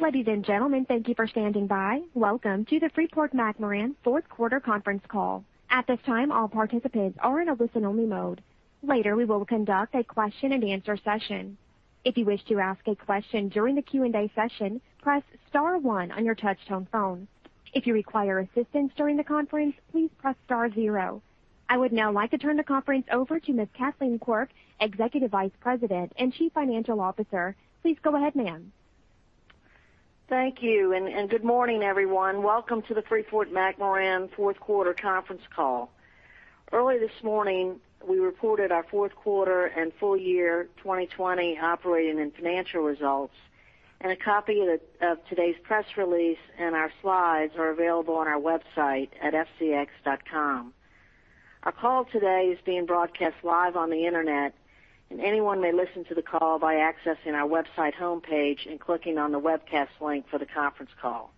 I would now like to turn the conference over to Ms. Kathleen Quirk, Executive Vice President and Chief Financial Officer. Please go ahead, ma'am. Thank you. Good morning, everyone. Welcome to the Freeport-McMoRan fourth quarter conference call. Early this morning, we reported our fourth quarter and full-year 2020 operating and financial results, and a copy of today's press release and our slides are available on our website at fcx.com. Our call today is being broadcast live on the internet, and anyone may listen to the call by accessing our website homepage and clicking on the webcast link for the conference call.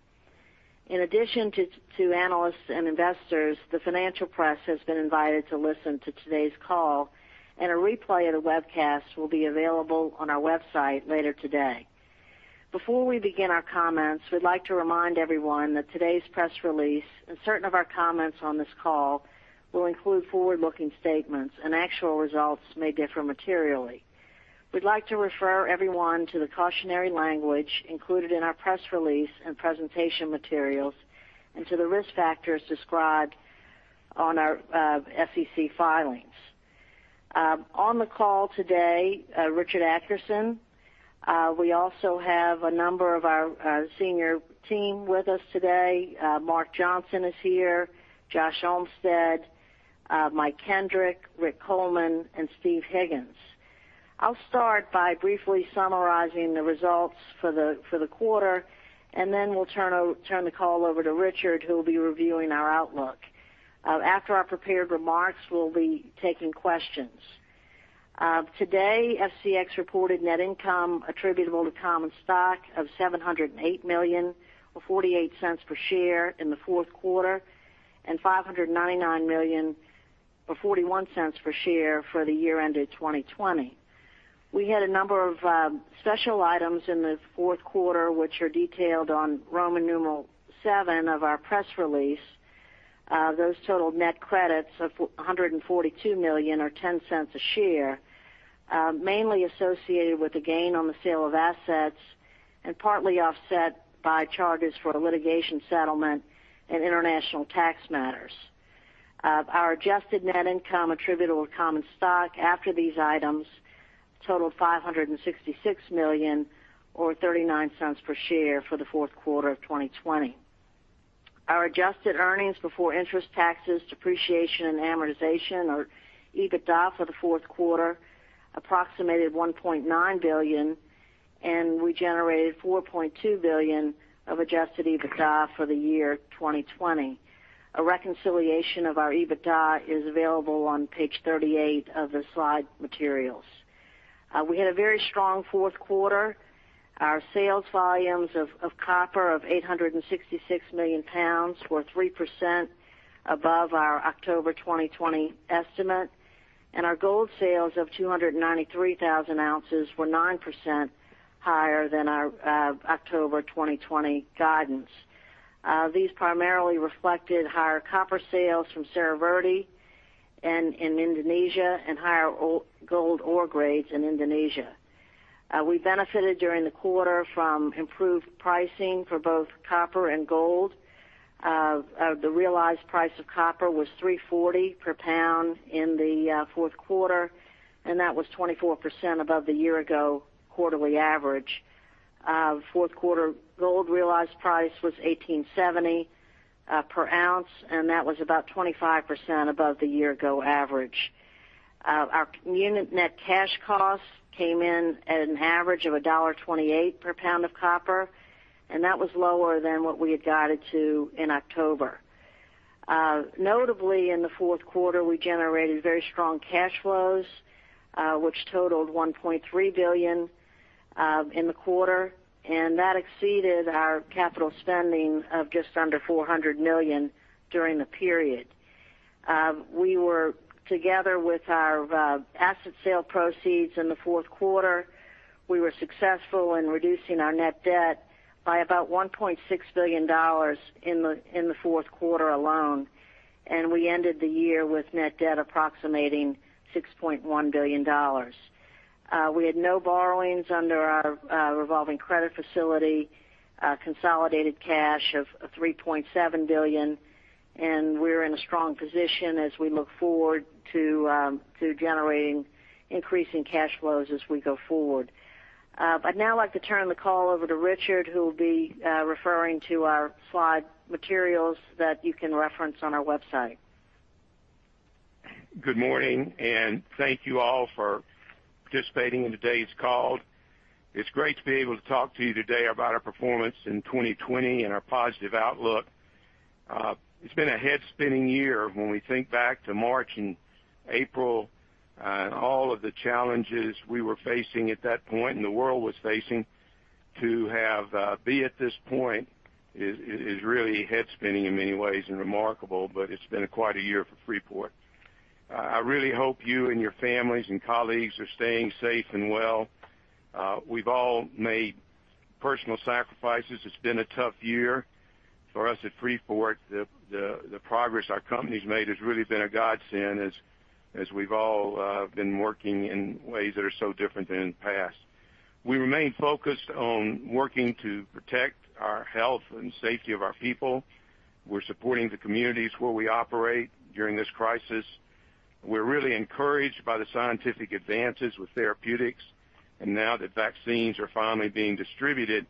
In addition to analysts and investors, the financial press has been invited to listen to today's call, and a replay of the webcast will be available on our website later today. Before we begin our comments, we'd like to remind everyone that today's press release and certain of our comments on this call will include forward-looking statements and actual results may differ materially. We'd like to refer everyone to the cautionary language included in our press release and presentation materials and to the risk factors described on our SEC filings. On the call today, Richard Adkerson. We also have a number of our senior team with us today. Mark Johnson is here, Josh Olmsted, Mike Kendrick, Rick Coleman, and Steve Higgins. I'll start by briefly summarizing the results for the quarter, and then we'll turn the call over to Richard, who will be reviewing our outlook. After our prepared remarks, we'll be taking questions. Today, FCX reported net income attributable to common stock of $708 million or $0.48 per share in the fourth quarter, and $599 million or $0.41 per share for the year ended 2020. We had a number of special items in the fourth quarter, which are detailed on Roman numeral seven of our press release. Those total net credits of $142 million or $0.10 a share, mainly associated with a gain on the sale of assets and partly offset by charges for a litigation settlement and international tax matters. Our adjusted net income attributable to common stock after these items totaled $566 million or $0.39 per share for the fourth quarter of 2020. Our adjusted earnings before interest, taxes, depreciation, and amortization or EBITDA for the fourth quarter approximated $1.9 billion, and we generated $4.2 billion of adjusted EBITDA for the year 2020. A reconciliation of our EBITDA is available on page 38 of the slide materials. We had a very strong fourth quarter. Our sales volumes of copper of 866 million pounds were 3% above our October 2020 estimate, and our gold sales of 293,000 oz were 9% higher than our October 2020 guidance. These primarily reflected higher copper sales from Cerro Verde and in Indonesia and higher gold ore grades in Indonesia. We benefited during the quarter from improved pricing for both copper and gold. The realized price of copper was $3.40 per pound in the fourth quarter. That was 24% above the year ago quarterly average. Fourth quarter gold realized price was $1,870 per ounce. That was about 25% above the year ago average. Our unit net cash cost came in at an average of $1.28 per pound of copper. That was lower than what we had guided to in October. Notably, in the fourth quarter, we generated very strong cash flows, which totaled $1.3 billion in the quarter. That exceeded our capital spending of just under $400 million during the period. Together with our asset sale proceeds in the fourth quarter, we were successful in reducing our net debt by about $1.6 billion in the fourth quarter alone. We ended the year with net debt approximating $6.1 billion. We had no borrowings under our revolving credit facility, consolidated cash of $3.7 billion. We're in a strong position as we look forward to generating increasing cash flows as we go forward. I'd now like to turn the call over to Richard, who will be referring to our slide materials that you can reference on our website. Good morning and thank you all for participating in today's call. It's great to be able to talk to you today about our performance in 2020 and our positive outlook. It's been a head-spinning year when we think back to March and April and all of the challenges we were facing at that point and the world was facing. To be at this point is really head-spinning in many ways and remarkable, but it's been quite a year for Freeport. I really hope you and your families and colleagues are staying safe and well. We've all made personal sacrifices. It's been a tough year for us at Freeport. The progress our company's made has really been a godsend as we've all been working in ways that are so different than in the past. We remain focused on working to protect our health and safety of our people. We're supporting the communities where we operate during this crisis. We're really encouraged by the scientific advances with therapeutics, now that vaccines are finally being distributed.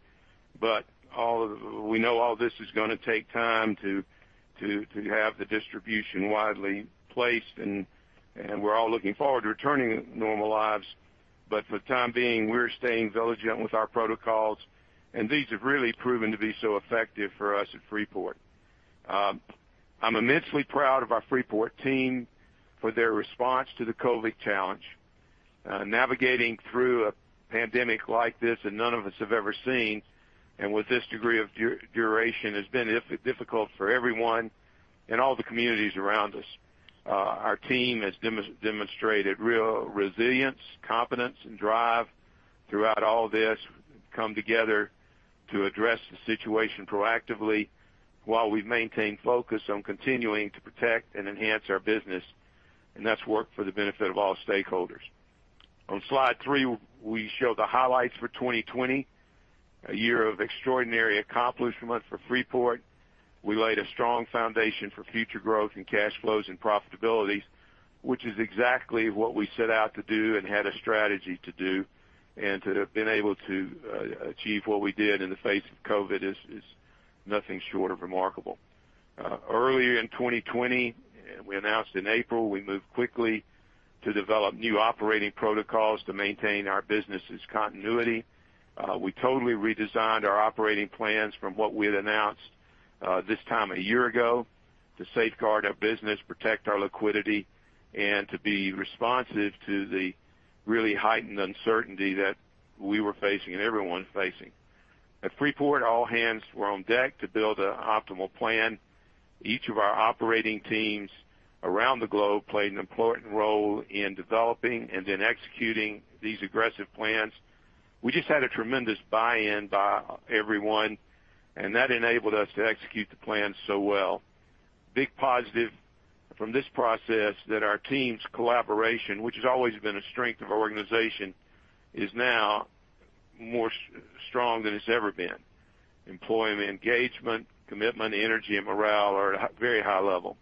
We know all this is going to take time to have the distribution widely placed, we're all looking forward to returning to normal lives. For the time being, we're staying vigilant with our protocols, these have really proven to be so effective for us at Freeport. I'm immensely proud of our Freeport team for their response to the COVID challenge. Navigating through a pandemic like this that none of us have ever seen and with this degree of duration has been difficult for everyone in all the communities around us. Our team has demonstrated real resilience, competence, and drive throughout all this, come together to address the situation proactively while we've maintained focus on continuing to protect and enhance our business, and that's worked for the benefit of all stakeholders. On slide three, we show the highlights for 2020, a year of extraordinary accomplishment for Freeport. We laid a strong foundation for future growth and cash flows and profitability, which is exactly what we set out to do and had a strategy to do. To have been able to achieve what we did in the face of COVID is nothing short of remarkable. Early in 2020, we announced in April, we moved quickly to develop new operating protocols to maintain our business' continuity. We totally redesigned our operating plans from what we had announced this time a year ago to safeguard our business, protect our liquidity, and to be responsive to the really heightened uncertainty that we were facing and everyone's facing. At Freeport, all hands were on deck to build an optimal plan. Each of our operating teams around the globe played an important role in developing and then executing these aggressive plans. We just had a tremendous buy-in by everyone, and that enabled us to execute the plan so well. Big positive from this process that our team's collaboration, which has always been a strength of our organization, is now more strong than it's ever been. Employee engagement, commitment, energy, and morale are at a very high level.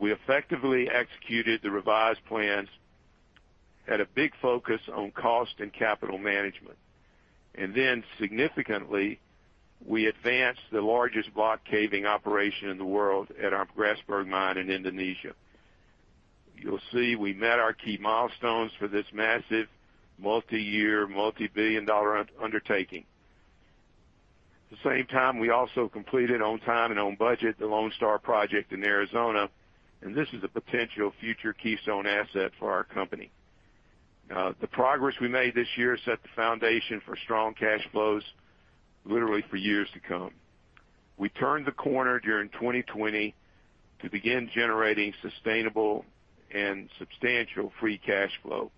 We effectively executed the revised plans at a big focus on cost and capital management. Significantly, we advanced the largest block caving operation in the world at our Grasberg mine in Indonesia. You'll see we met our key milestones for this massive multi-year, multi-billion-dollar undertaking. At the same time, we also completed on time and on budget, the Lone Star project in Arizona, and this is a potential future keystone asset for our company. The progress we made this year set the foundation for strong cash flows, literally for years to come. We turned the corner during 2020 to begin generating sustainable and substantial free cash flow.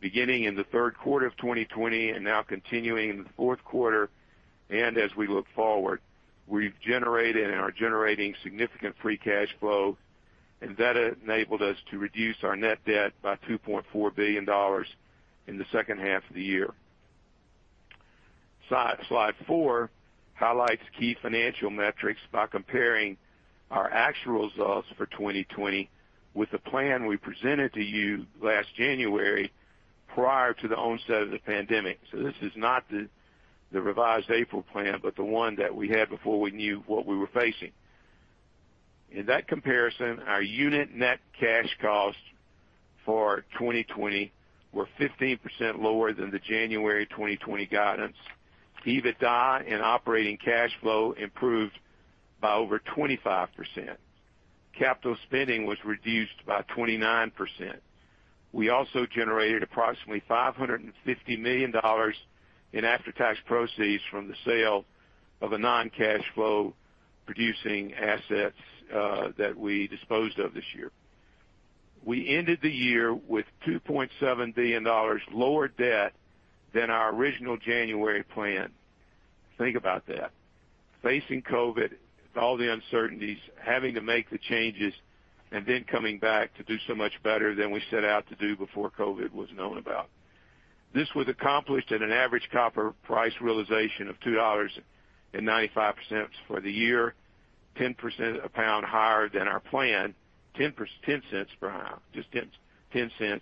Beginning in the third quarter of 2020 and now continuing in the fourth quarter and as we look forward, we've generated and are generating significant free cash flow, and that enabled us to reduce our net debt by $2.4 billion in the second half of the year. Slide four highlights key financial metrics by comparing our actual results for 2020 with the plan we presented to you last January prior to the onset of the pandemic. This is not the revised April plan, but the one that we had before we knew what we were facing. In that comparison, our unit net cash costs for 2020 were 15% lower than the January 2020 guidance. EBITDA and operating cash flow improved by over 25%. Capital spending was reduced by 29%. We also generated approximately $550 million in after-tax proceeds from the sale of a non-cash flow producing assets that we disposed of this year. We ended the year with $2.7 billion lower debt than our original January plan. Think about that. Facing COVID, all the uncertainties, having to make the changes, and then coming back to do so much better than we set out to do before COVID was known about. This was accomplished at an average copper price realization of $2.95 for the year, 10% a pound higher than our plan, $0.10 per pound, just $0.10,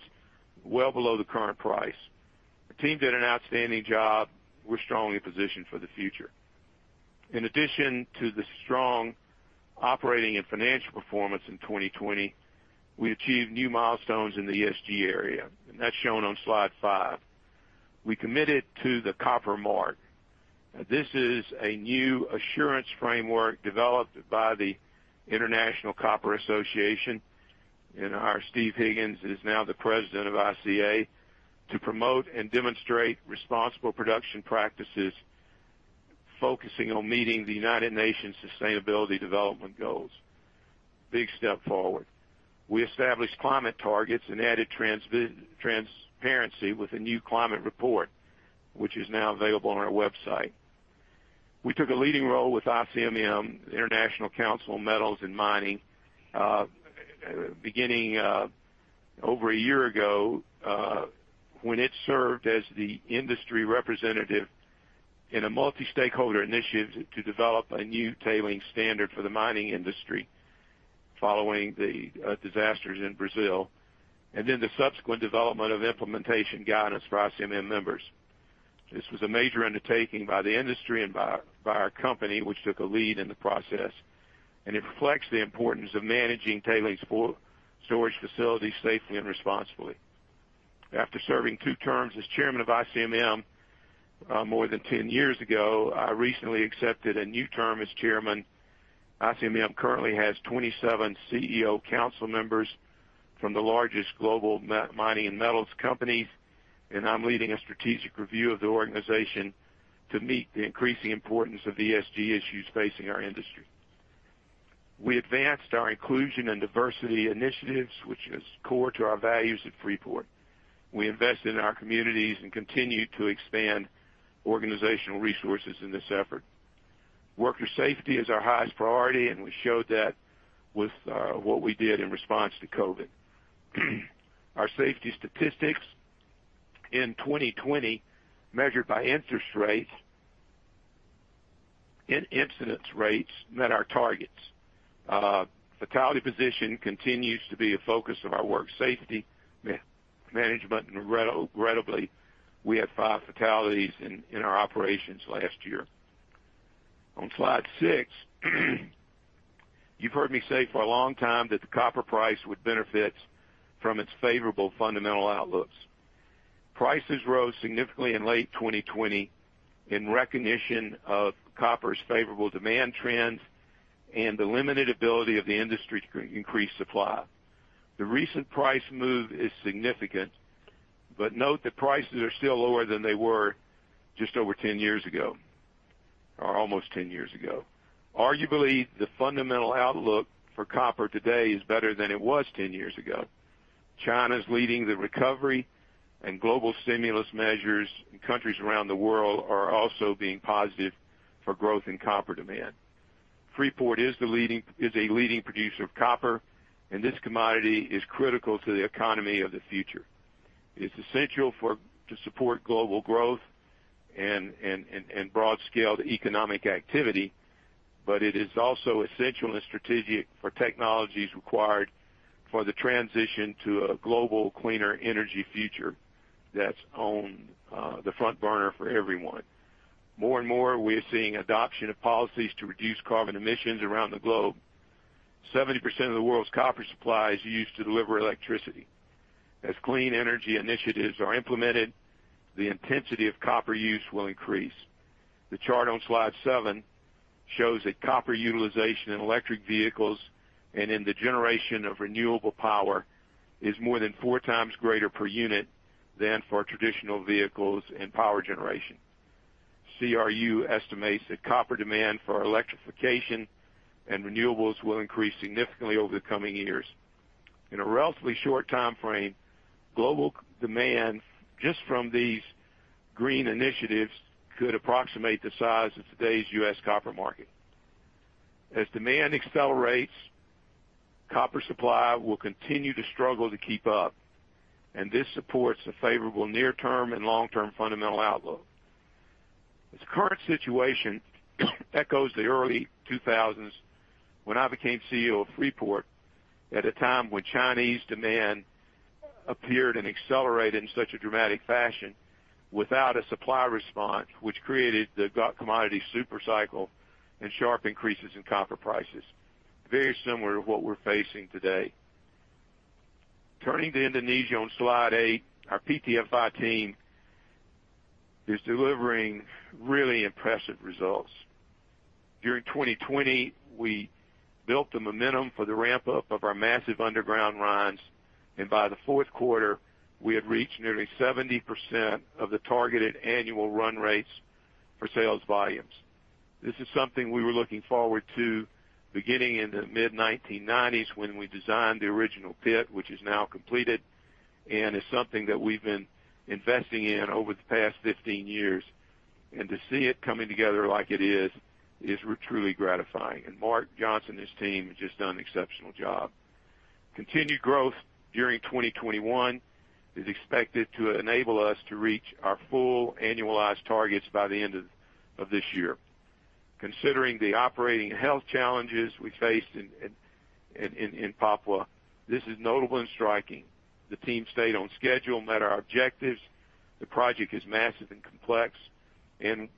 well below the current price. The team did an outstanding job. We're strongly positioned for the future. In addition to the strong operating and financial performance in 2020, we achieved new milestones in the ESG area, and that's shown on slide five. We committed to the Copper Mark. This is a new assurance framework developed by the International Copper Association, and our Steve Higgins is now the President of ICA, to promote and demonstrate responsible production practices, focusing on meeting the United Nations Sustainable Development Goals. Big step forward. We established climate targets and added transparency with a new climate report, which is now available on our website. We took a leading role with ICMM, International Council on Mining and Metals, beginning over a year ago when it served as the industry representative in a multi-stakeholder initiative to develop a new tailings standard for the mining industry following the disasters in Brazil, and then the subsequent development of implementation guidance for ICMM members. This was a major undertaking by the industry and by our company, which took a lead in the process, and it reflects the importance of managing tailings storage facilities safely and responsibly. After serving two terms as Chairman of ICMM more than 10 years ago, I recently accepted a new term as Chairman. ICMM currently has 27 CEO council members from the largest global mining and metals companies. I'm leading a strategic review of the organization to meet the increasing importance of ESG issues facing our industry. We advanced our inclusion and diversity initiatives, which is core to our values at Freeport. We invested in our communities and continue to expand organizational resources in this effort. Worker safety is our highest priority. We showed that with what we did in response to COVID. Our safety statistics in 2020, measured by incidence rates, met our targets. Fatality position continues to be a focus of our work safety management. Regrettably, we had five fatalities in our operations last year. On slide six, you've heard me say for a long time that the copper price would benefit from its favorable fundamental outlooks. Prices rose significantly in late 2020 in recognition of copper's favorable demand trends and the limited ability of the industry to increase supply. The recent price move is significant, but note that prices are still lower than they were just over 10 years ago or almost 10 years ago. Arguably, the fundamental outlook for copper today is better than it was 10 years ago. China's leading the recovery and global stimulus measures in countries around the world are also being positive for growth in copper demand. Freeport is a leading producer of copper, and this commodity is critical to the economy of the future. It's essential to support global growth and broad-scale economic activity, but it is also essential and strategic for technologies required for the transition to a global cleaner energy future that's on the front burner for everyone. More and more, we are seeing adoption of policies to reduce carbon emissions around the globe. 70% of the world's copper supply is used to deliver electricity. As clean energy initiatives are implemented, the intensity of copper use will increase. The chart on slide seven shows that copper utilization in electric vehicles and in the generation of renewable power is more than 4x greater per unit than for traditional vehicles and power generation. CRU estimates that copper demand for electrification and renewables will increase significantly over the coming years. In a relatively short timeframe, global demand just from these green initiatives could approximate the size of today's U.S. copper market. As demand accelerates, copper supply will continue to struggle to keep up, and this supports a favorable near-term and long-term fundamental outlook. This current situation echoes the early 2000s when I became CEO of Freeport at a time when Chinese demand appeared and accelerated in such a dramatic fashion without a supply response, which created the commodity super cycle and sharp increases in copper prices. Very similar to what we're facing today. Turning to Indonesia on slide eight, our PT-FI team is delivering really impressive results. During 2020, we built the momentum for the ramp-up of our massive underground mines, and by the fourth quarter, we had reached nearly 70% of the targeted annual run rates for sales volumes. This is something we were looking forward to beginning in the mid-1990s when we designed the original pit, which is now completed, and is something that we've been investing in over the past 15 years. To see it coming together like it is truly gratifying. Mark Johnson and his team have just done an exceptional job. Continued growth during 2021 is expected to enable us to reach our full annualized targets by the end of this year. Considering the operating and health challenges we faced in Papua, this is notable and striking. The team stayed on schedule, met our objectives. The project is massive and complex, and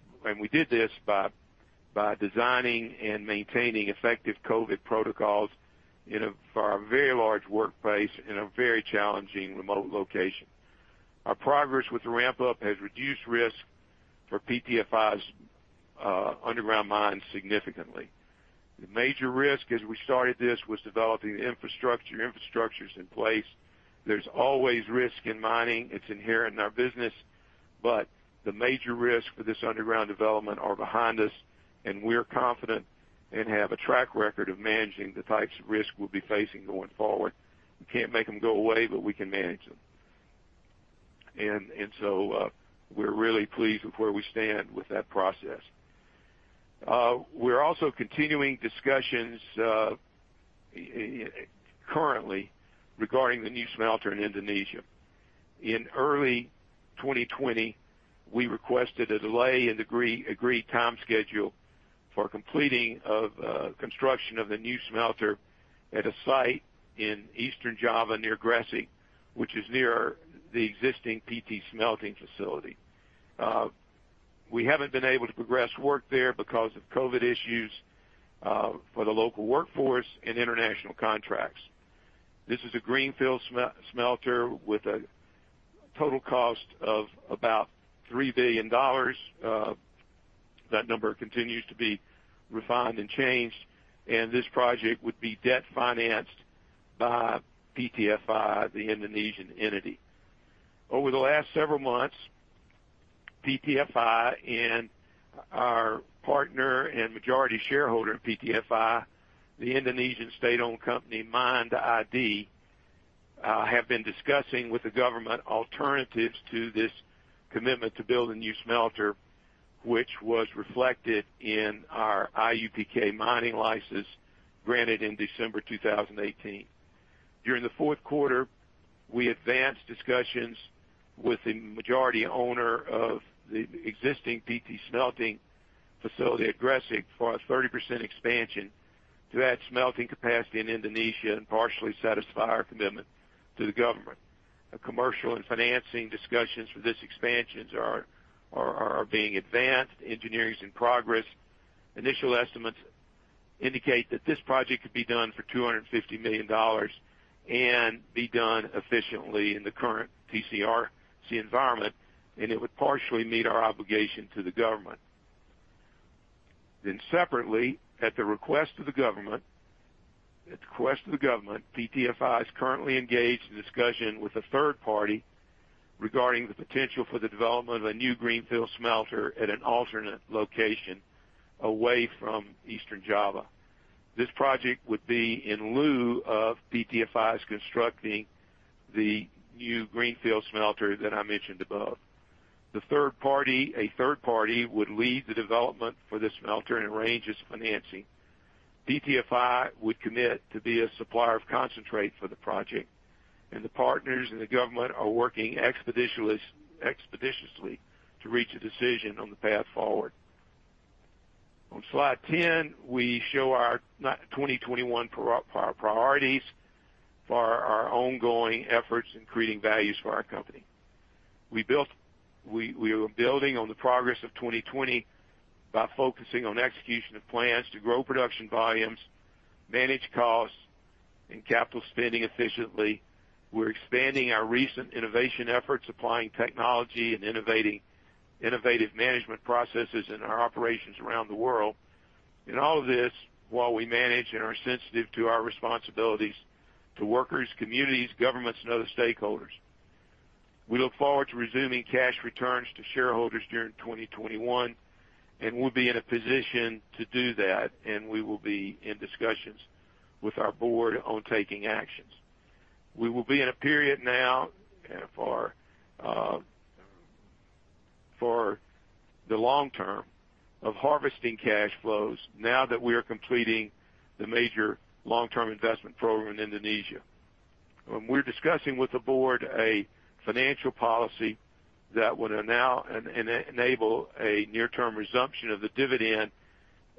we did this by designing and maintaining effective COVID protocols for our very large workplace in a very challenging remote location. Our progress with the ramp-up has reduced risk for PT-FI's underground mines significantly. The major risk as we started this was developing infrastructure. Infrastructure's in place. There's always risk in mining. It's inherent in our business. The major risks for this underground development are behind us, and we're confident and have a track record of managing the types of risk we'll be facing going forward. We can't make them go away, but we can manage them. We're really pleased with where we stand with that process. We're also continuing discussions currently regarding the new smelter in Indonesia. In early 2020, we requested a delay in agreed time schedule for completing of construction of the new smelter at a site in Eastern Java near Gresik, which is near the existing PT Smelting facility. We haven't been able to progress work there because of COVID issues for the local workforce and international contracts. This is a greenfield smelter with a total cost of about $3 billion. That number continues to be refined and changed, and this project would be debt-financed by PT-FI, the Indonesian entity. Over the last several months, PT-FI and our partner and majority shareholder in PT-FI, the Indonesian state-owned company, MIND ID, have been discussing with the government alternatives to this commitment to build a new smelter, which was reflected in our IUPK mining license granted in December 2018. During the fourth quarter, we advanced discussions with the majority owner of the existing PT Smelting facility at Gresik for a 30% expansion to add smelting capacity in Indonesia and partially satisfy our commitment to the government. Commercial and financing discussions for this expansions are being advanced. Engineering's in progress. Initial estimates indicate that this project could be done for $250 million and be done efficiently in the current TCRC environment, and it would partially meet our obligation to the government. Separately, at the request of the government, PT-FI is currently engaged in discussion with a third party regarding the potential for the development of a new greenfield smelter at an alternate location away from Eastern Java. This project would be in lieu of PT-FI's constructing the new greenfield smelter that I mentioned above. A third party would lead the development for the smelter and arrange its financing. PT-FI would commit to be a supplier of concentrate for the project, and the partners and the government are working expeditiously to reach a decision on the path forward. On slide 10, we show our 2021 priorities for our ongoing efforts in creating values for our company. We are building on the progress of 2020 by focusing on execution of plans to grow production volumes, manage costs, and capital spending efficiently. We're expanding our recent innovation efforts, applying technology and innovative management processes in our operations around the world. All of this while we manage and are sensitive to our responsibilities to workers, communities, governments, and other stakeholders. We look forward to resuming cash returns to shareholders during 2021. We'll be in a position to do that, and we will be in discussions with our board on taking actions. We will be in a period now for the long term of harvesting cash flows now that we are completing the major long-term investment program in Indonesia. We're discussing with the board a financial policy that would enable a near-term resumption of the dividend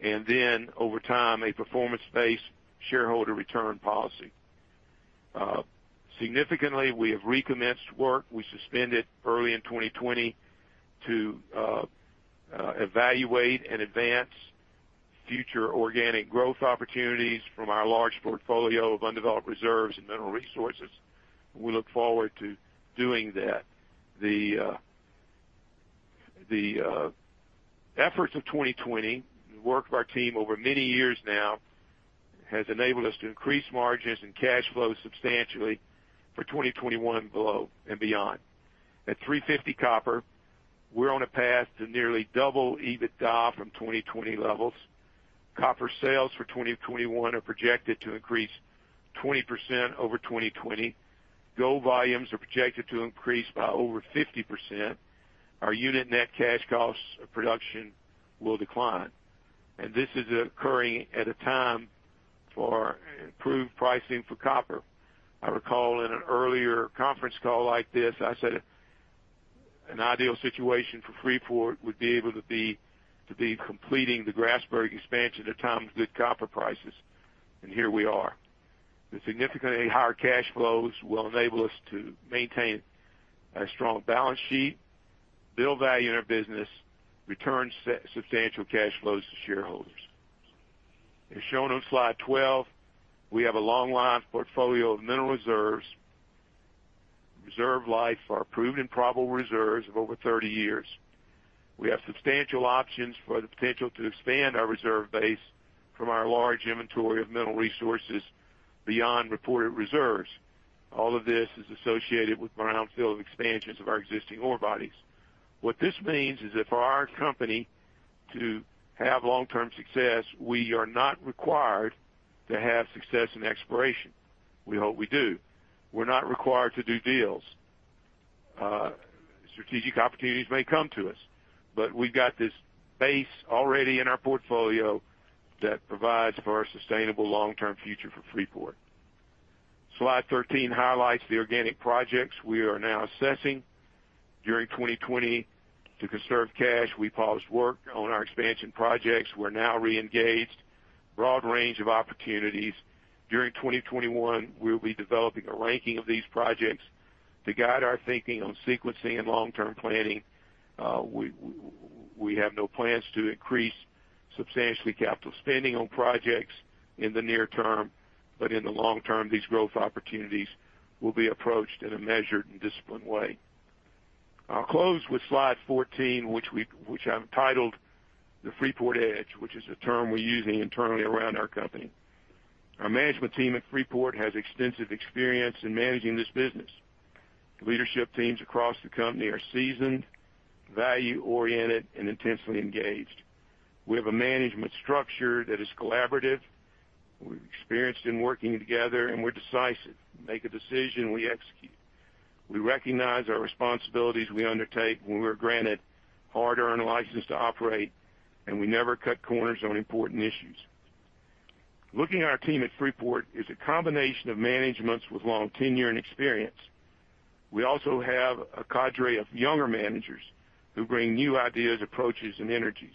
and then, over time, a performance-based shareholder return policy. Significantly, we have recommenced work we suspended early in 2020 to evaluate and advance future organic growth opportunities from our large portfolio of undeveloped reserves and mineral resources. We look forward to doing that. The efforts of 2020 and the work of our team over many years now has enabled us to increase margins and cash flows substantially for 2021 and beyond. At $3.50 copper, we're on a path to nearly double EBITDA from 2020 levels. Copper sales for 2021 are projected to increase 20% over 2020. Gold volumes are projected to increase by over 50%. Our unit net cash costs of production will decline. This is occurring at a time for improved pricing for copper. I recall in an earlier conference call like this, I said an ideal situation for Freeport would be able to be completing the Grasberg expansion at times of good copper prices, and here we are. The significantly higher cash flows will enable us to maintain a strong balance sheet, build value in our business, return substantial cash flows to shareholders. As shown on slide 12, we have a long-life portfolio of mineral reserves reserve life, our proven and probable reserves of over 30 years. We have substantial options for the potential to expand our reserve base from our large inventory of mineral resources beyond reported reserves. All of this is associated with brownfield expansions of our existing ore bodies. What this means is that for our company to have long-term success, we are not required to have success in exploration. We hope we do. We're not required to do deals. Strategic opportunities may come to us. We've got this base already in our portfolio that provides for a sustainable long-term future for Freeport. Slide 13 highlights the organic projects we are now assessing. During 2020, to conserve cash, we paused work on our expansion projects. We're now re-engaged. Broad range of opportunities. During 2021, we will be developing a ranking of these projects to guide our thinking on sequencing and long-term planning. We have no plans to increase substantially capital spending on projects in the near term. In the long term, these growth opportunities will be approached in a measured and disciplined way. I'll close with slide 14, which I've titled the Freeport Edge, which is a term we're using internally around our company. Our management team at Freeport has extensive experience in managing this business. The leadership teams across the company are seasoned, value-oriented, and intensely engaged. We have a management structure that is collaborative. We're experienced in working together, and we're decisive. We make a decision, we execute. We recognize our responsibilities we undertake when we're granted hard-earned license to operate, and we never cut corners on important issues. Looking at our team at Freeport is a combination of managements with long tenure and experience. We also have a cadre of younger managers who bring new ideas, approaches, and energies.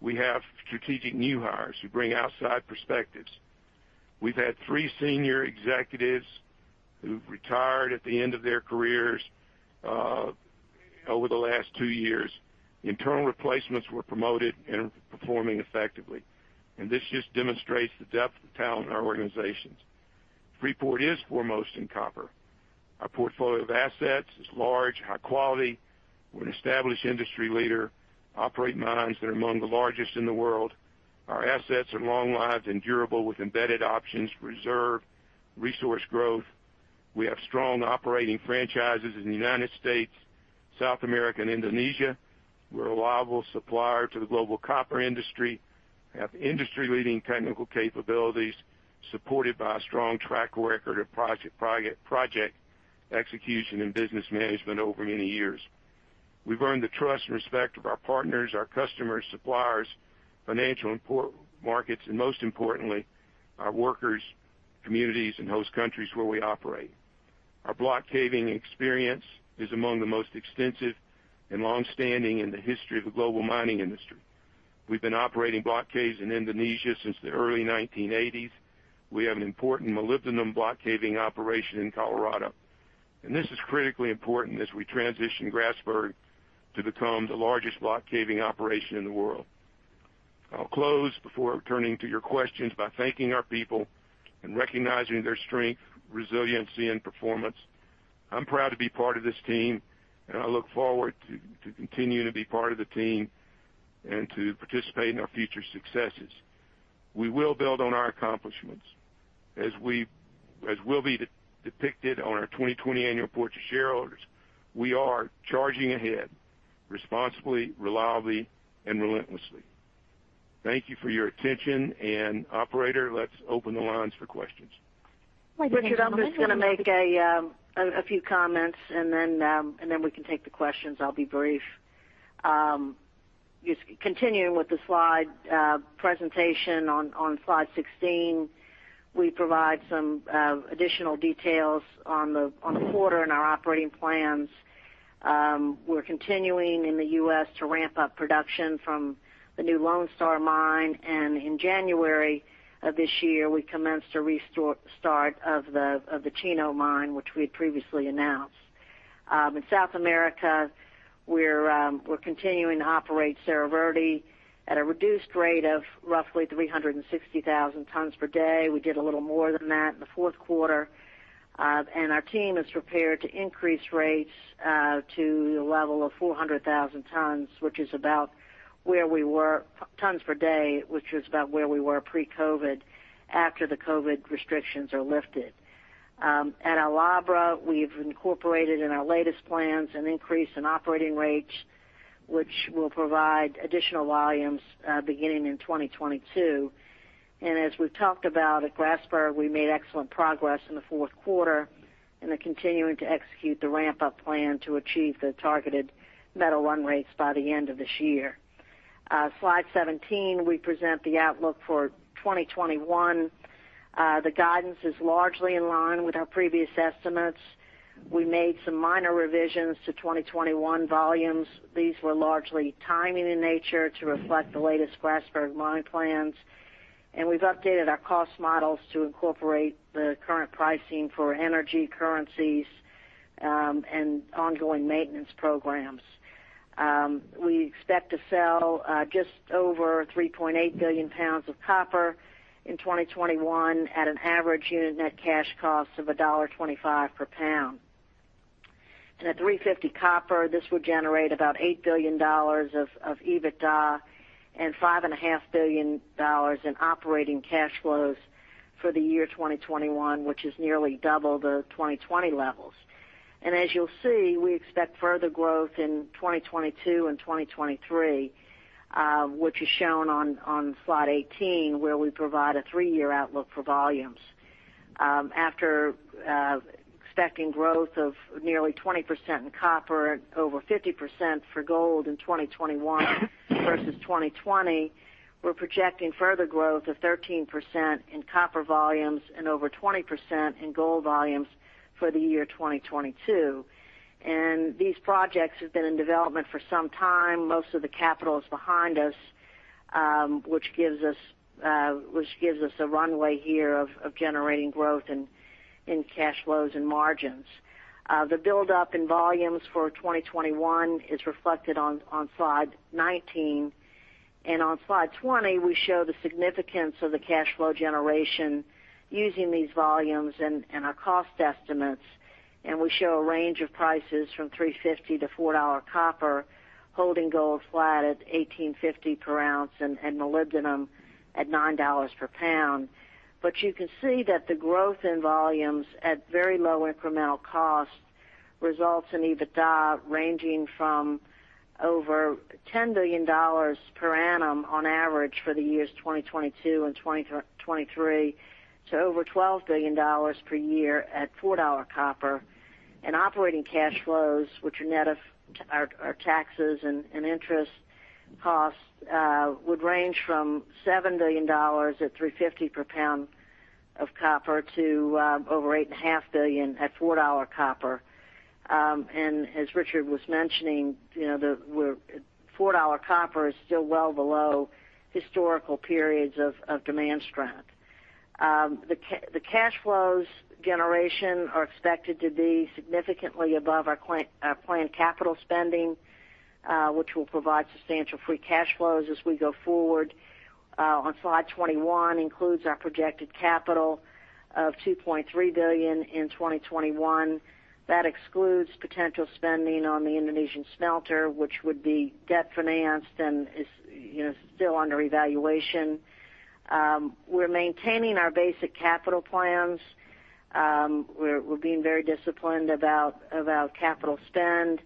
We have strategic new hires who bring outside perspectives. We've had three senior executives who've retired at the end of their careers over the last two years. Internal replacements were promoted and are performing effectively. This just demonstrates the depth of talent in our organizations. Freeport is foremost in copper. Our portfolio of assets is large, high quality. We're an established industry leader, operate mines that are among the largest in the world. Our assets are long-lived and durable with embedded options for reserve, resource growth. We have strong operating franchises in the United States, South America, and Indonesia. We're a reliable supplier to the global copper industry. We have industry-leading technical capabilities, supported by a strong track record of project execution and business management over many years. We've earned the trust and respect of our partners, our customers, suppliers, financial markets, and most importantly, our workers, communities, and host countries where we operate. Our block caving experience is among the most extensive and longstanding in the history of the global mining industry. We've been operating block caves in Indonesia since the early 1980s. We have an important molybdenum block caving operation in Colorado. This is critically important as we transition Grasberg to become the largest block caving operation in the world. I'll close before turning to your questions by thanking our people and recognizing their strength, resiliency, and performance. I'm proud to be part of this team and I look forward to continuing to be part of the team and to participate in our future successes. We will build on our accomplishments. As will be depicted on our 2020 annual report to shareholders, we are charging ahead responsibly, reliably, and relentlessly. Thank you for your attention. Operator, let's open the lines for questions. Richard, I'm just going to make a few comments and then we can take the questions. I'll be brief. Just continuing with the slide presentation on slide 16, we provide some additional details on the quarter and our operating plans. We're continuing in the U.S. to ramp up production from the new Lone Star mine, and in January of this year, we commenced a restart of the Chino mine, which we had previously announced. In South America, we're continuing to operate Cerro Verde at a reduced rate of roughly 360,000 tons per day. We did a little more than that in the fourth quarter. Our team is prepared to increase rates to the level of 400,000 tons per day, which is about where we were pre-COVID, after the COVID restrictions are lifted. At El Abra, we've incorporated in our latest plans an increase in operating rates, which will provide additional volumes beginning in 2022. As we've talked about, at Grasberg, we made excellent progress in the fourth quarter and are continuing to execute the ramp-up plan to achieve the targeted metal run rates by the end of this year. Slide 17, we present the outlook for 2021. The guidance is largely in line with our previous estimates. We made some minor revisions to 2021 volumes. These were largely timing in nature to reflect the latest Grasberg mine plans. We've updated our cost models to incorporate the current pricing for energy, currencies and ongoing maintenance programs. We expect to sell just over 3.8 billion pounds of copper in 2021 at an average unit net cash cost of $1.25 per pound. At $3.50 copper, this would generate about $8 billion of EBITDA and $5.5 billion in operating cash flows for the year 2021, which is nearly double the 2020 levels. As you'll see, we expect further growth in 2022 and 2023, which is shown on slide 18, where we provide a three year outlook for volumes. After expecting growth of nearly 20% in copper and over 50% for gold in 2021 versus 2020, we're projecting further growth of 13% in copper volumes and over 20% in gold volumes for the year 2022. These projects have been in development for some time. Most of the capital is behind us, which gives us a runway here of generating growth in cash flows and margins. The buildup in volumes for 2021 is reflected on slide 19. On slide 20, we show the significance of the cash flow generation using these volumes and our cost estimates, and we show a range of prices from $3.50-$4 copper, holding gold flat at $1,850 per ounce and molybdenum at $9 per pound. You can see that the growth in volumes at very low incremental cost results in EBITDA ranging from over $10 billion per annum on average for the years 2022 and 2023 to over $12 billion per year at $4 copper. Operating cash flows, which are net of our taxes and interest costs would range from $7 billion at $3.50 per pound of copper to over $8.5 billion at $4 copper. As Richard was mentioning, $4 copper is still well below historical periods of demand strength. The cash flows generation are expected to be significantly above our planned capital spending, which will provide substantial free cash flows as we go forward. On slide 21 includes our projected capital of $2.3 billion in 2021. That excludes potential spending on the Indonesian smelter, which would be debt-financed and is still under evaluation. We're maintaining our basic capital plans. We're being very disciplined about capital spend.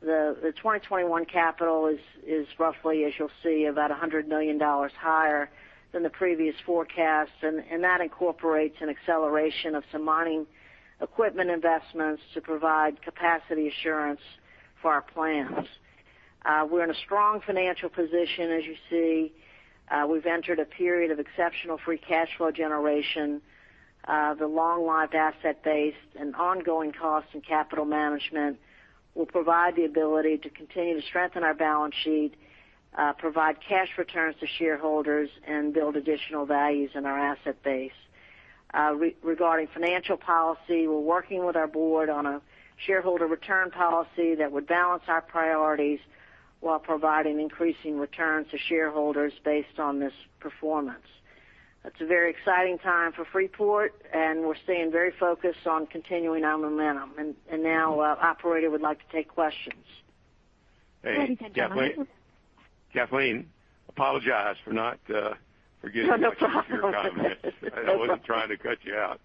The 2021 capital is roughly, as you'll see, about $100 million higher than the previous forecast. That incorporates an acceleration of some mining equipment investments to provide capacity assurance for our plans. We're in a strong financial position, as you see. We've entered a period of exceptional free cash flow generation. The long-lived asset base and ongoing cost and capital management will provide the ability to continue to strengthen our balance sheet, provide cash returns to shareholders and build additional values in our asset base. Regarding financial policy, we're working with our board on a shareholder return policy that would balance our priorities while providing increasing returns to shareholders based on this performance. It's a very exciting time for Freeport, we're staying very focused on continuing our momentum. Now, operator, would like to take questions. Hey, Kathleen. Ladies and gentlemen. Kathleen, apologize for getting you to share your comments. No, no problem. I wasn't trying to cut you out.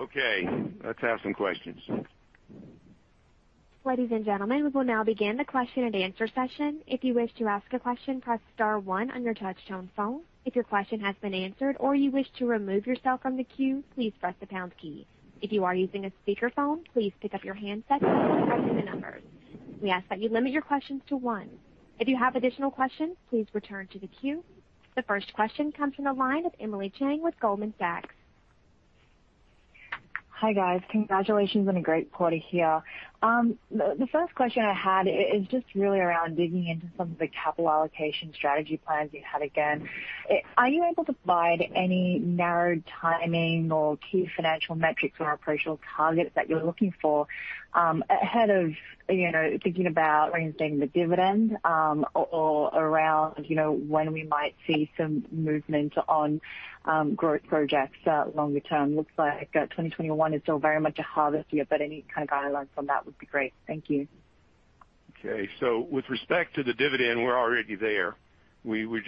Okay. Let's have some questions. Ladies and gentlemen, we will now begin the question-and-answer session. If you wish to ask a question, press star one on your touch-tone phone. If your question has been answered or you wish to remove yourself from the queue, please press the pound key. If you are using a speakerphone, please pick up your handset before pressing the numbers. We ask that you limit your questions to one. If you have additional question, please return to the queue. The first question comes from the line of Emily Chieng with Goldman Sachs. Hi, guys. Congratulations on a great quarter here. The first question I had is just really around digging into some of the capital allocation strategy plans you had again. Are you able to provide any narrowed timing or key financial metrics or operational targets that you're looking for, ahead of thinking about reinstating the dividend or around when we might see some movement on growth projects longer term? Looks like 2021 is still very much a harvest year, but any kind of guidelines on that would be great. Thank you. Okay. With respect to the dividend, we're already there. We'll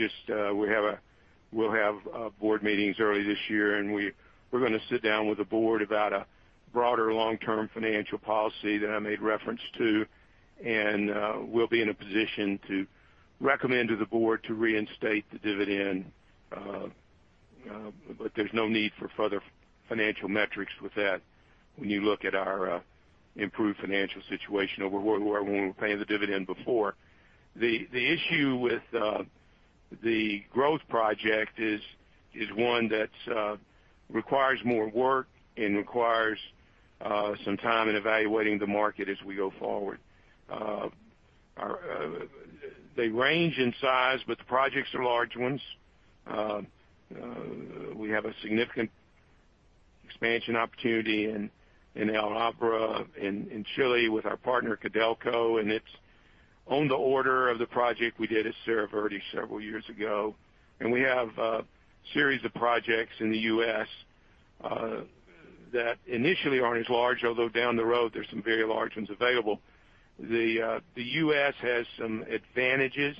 have board meetings early this year, and we're going to sit down with the board about a broader long-term financial policy that I made reference to and we'll be in a position to recommend to the board to reinstate the dividend. There's no need for further financial metrics with that when you look at our improved financial situation over where we were when we were paying the dividend before. The issue with the growth project is one that requires more work and requires some time in evaluating the market as we go forward. They range in size, but the projects are large ones. We have a significant expansion opportunity in El Abra in Chile with our partner CODELCO, and it's on the order of the project we did at Cerro Verde several years ago. We have a series of projects in the U.S. that initially aren't as large, although down the road, there's some very large ones available. The U.S. has some advantages.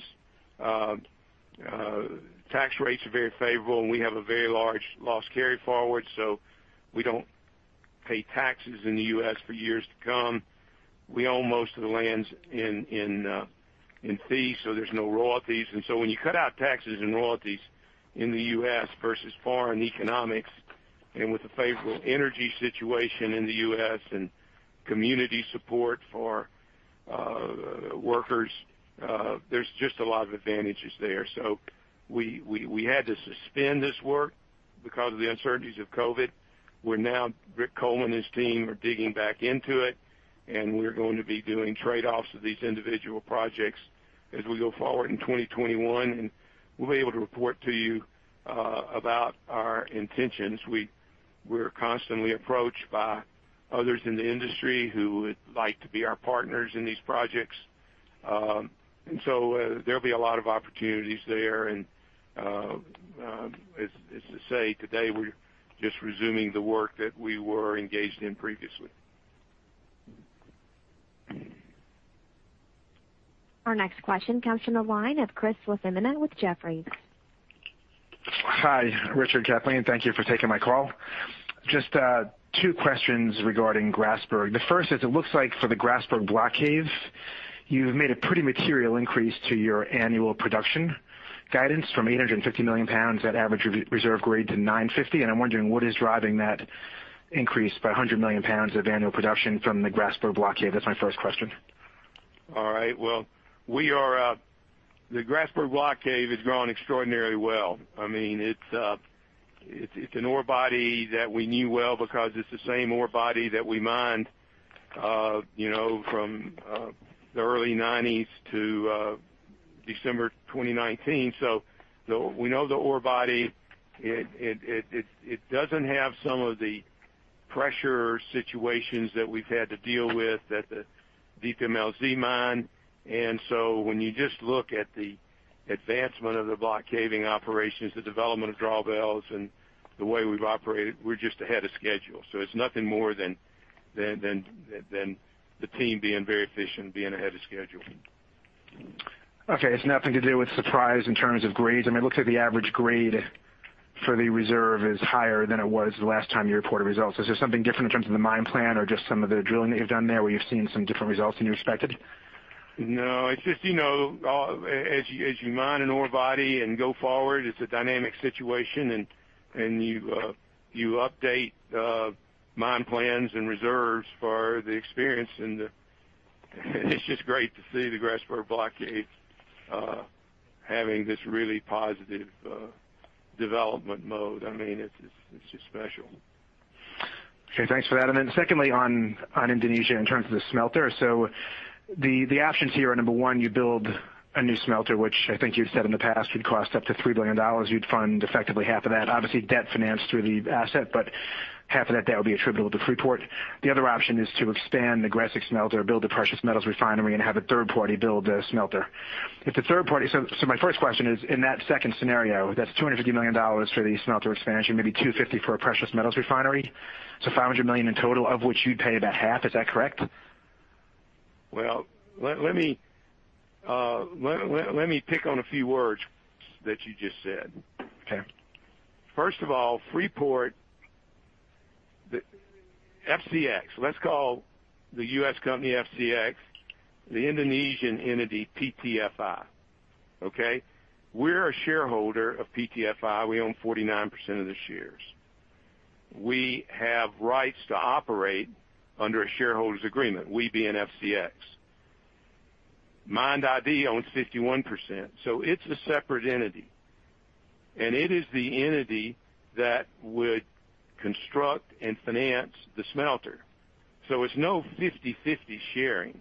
Tax rates are very favorable, and we have a very large loss carry-forward, so we don't pay taxes in the U.S. for years to come. We own most of the lands in fee, so there's no royalties. When you cut out taxes and royalties in the U.S. versus foreign economics, and with the favorable energy situation in the U.S. and community support for workers, there's just a lot of advantages there. We had to suspend this work because of the uncertainties of COVID. Where now Rick Coleman and his team are digging back into it, and we're going to be doing trade-offs of these individual projects as we go forward in 2021, and we'll be able to report to you about our intentions. We're constantly approached by others in the industry who would like to be our partners in these projects. There'll be a lot of opportunities there. As to say, today, we're just resuming the work that we were engaged in previously. Our next question comes from the line of Chris LaFemina with Jefferies. Hi, Richard, Kathleen. Thank you for taking my call. Just two questions regarding Grasberg. The first is, it looks like for the Grasberg Block Cave, you've made a pretty material increase to your annual production guidance from 850 million pounds at average reserve grade to 950 million pounds. I'm wondering what is driving that increase by 100 million pounds of annual production from the Grasberg Block Cave? That's my first question. The Grasberg Block Cave has grown extraordinarily well. It's an ore body that we knew well because it's the same ore body that we mined from the early 1990s to December 2019. We know the ore body. It doesn't have some of the pressure situations that we've had to deal with at the Deep MLZ mine. When you just look at the advancement of the block caving operations, the development of drawbells, and the way we've operated, we're just ahead of schedule. It's nothing more than the team being very efficient, being ahead of schedule. It's nothing to do with surprise in terms of grades. It looks like the average grade for the reserve is higher than it was the last time you reported results. Is there something different in terms of the mine plan or just some of the drilling that you've done there where you've seen some different results than you expected? No. It's just as you mine an ore body and go forward, it's a dynamic situation, and you update mine plans and reserves for the experience. It's just great to see the Grasberg Block Cave having this really positive development mode. It's just special. Okay, thanks for that. Secondly, on Indonesia in terms of the smelter. The options here are, number one, you build a new smelter, which I think you've said in the past would cost up to $3 billion. You'd fund effectively half of that, obviously, debt financed through the asset, but half of that debt would be attributable to Freeport. The other option is to expand the Gresik smelter, build a precious metals refinery, and have a third party build a smelter. My first question is, in that second scenario, that's $250 million for the smelter expansion, maybe $250 million for a precious metals refinery. $500 million in total, of which you'd pay about half. Is that correct? Well, let me pick on a few words that you just said. Okay. First of all, Freeport, FCX. Let's call the U.S. company FCX, the Indonesian entity PT-FI. Okay? We're a shareholder of PT-FI. We own 49% of the shares. We have rights to operate under a shareholder's agreement. We being FCX. MIND ID owns 51%. It's a separate entity, and it is the entity that would construct and finance the smelter. It's no 50/50 sharing.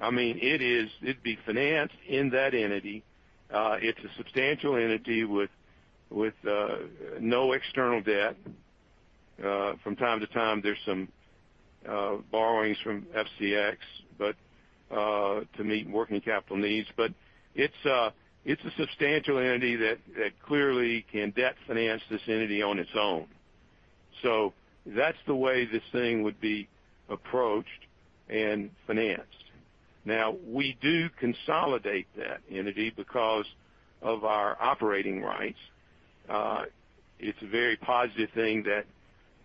It'd be financed in that entity. It's a substantial entity with no external debt. From time to time, there's some borrowings from FCX to meet working capital needs. It's a substantial entity that clearly can debt finance this entity on its own. That's the way this thing would be approached and financed. We do consolidate that entity because of our operating rights. It's a very positive thing that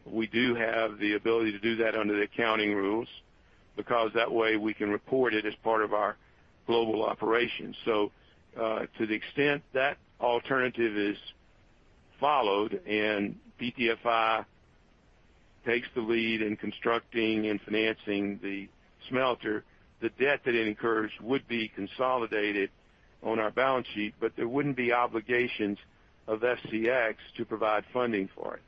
we do have the ability to do that under the accounting rules, because that way we can report it as part of our global operations. So to the extent that alternative is followed and PT-FI takes the lead in constructing and financing the smelter, the debt that it incurs would be consolidated on our balance sheet, but there wouldn't be obligations of FCX to provide funding for it.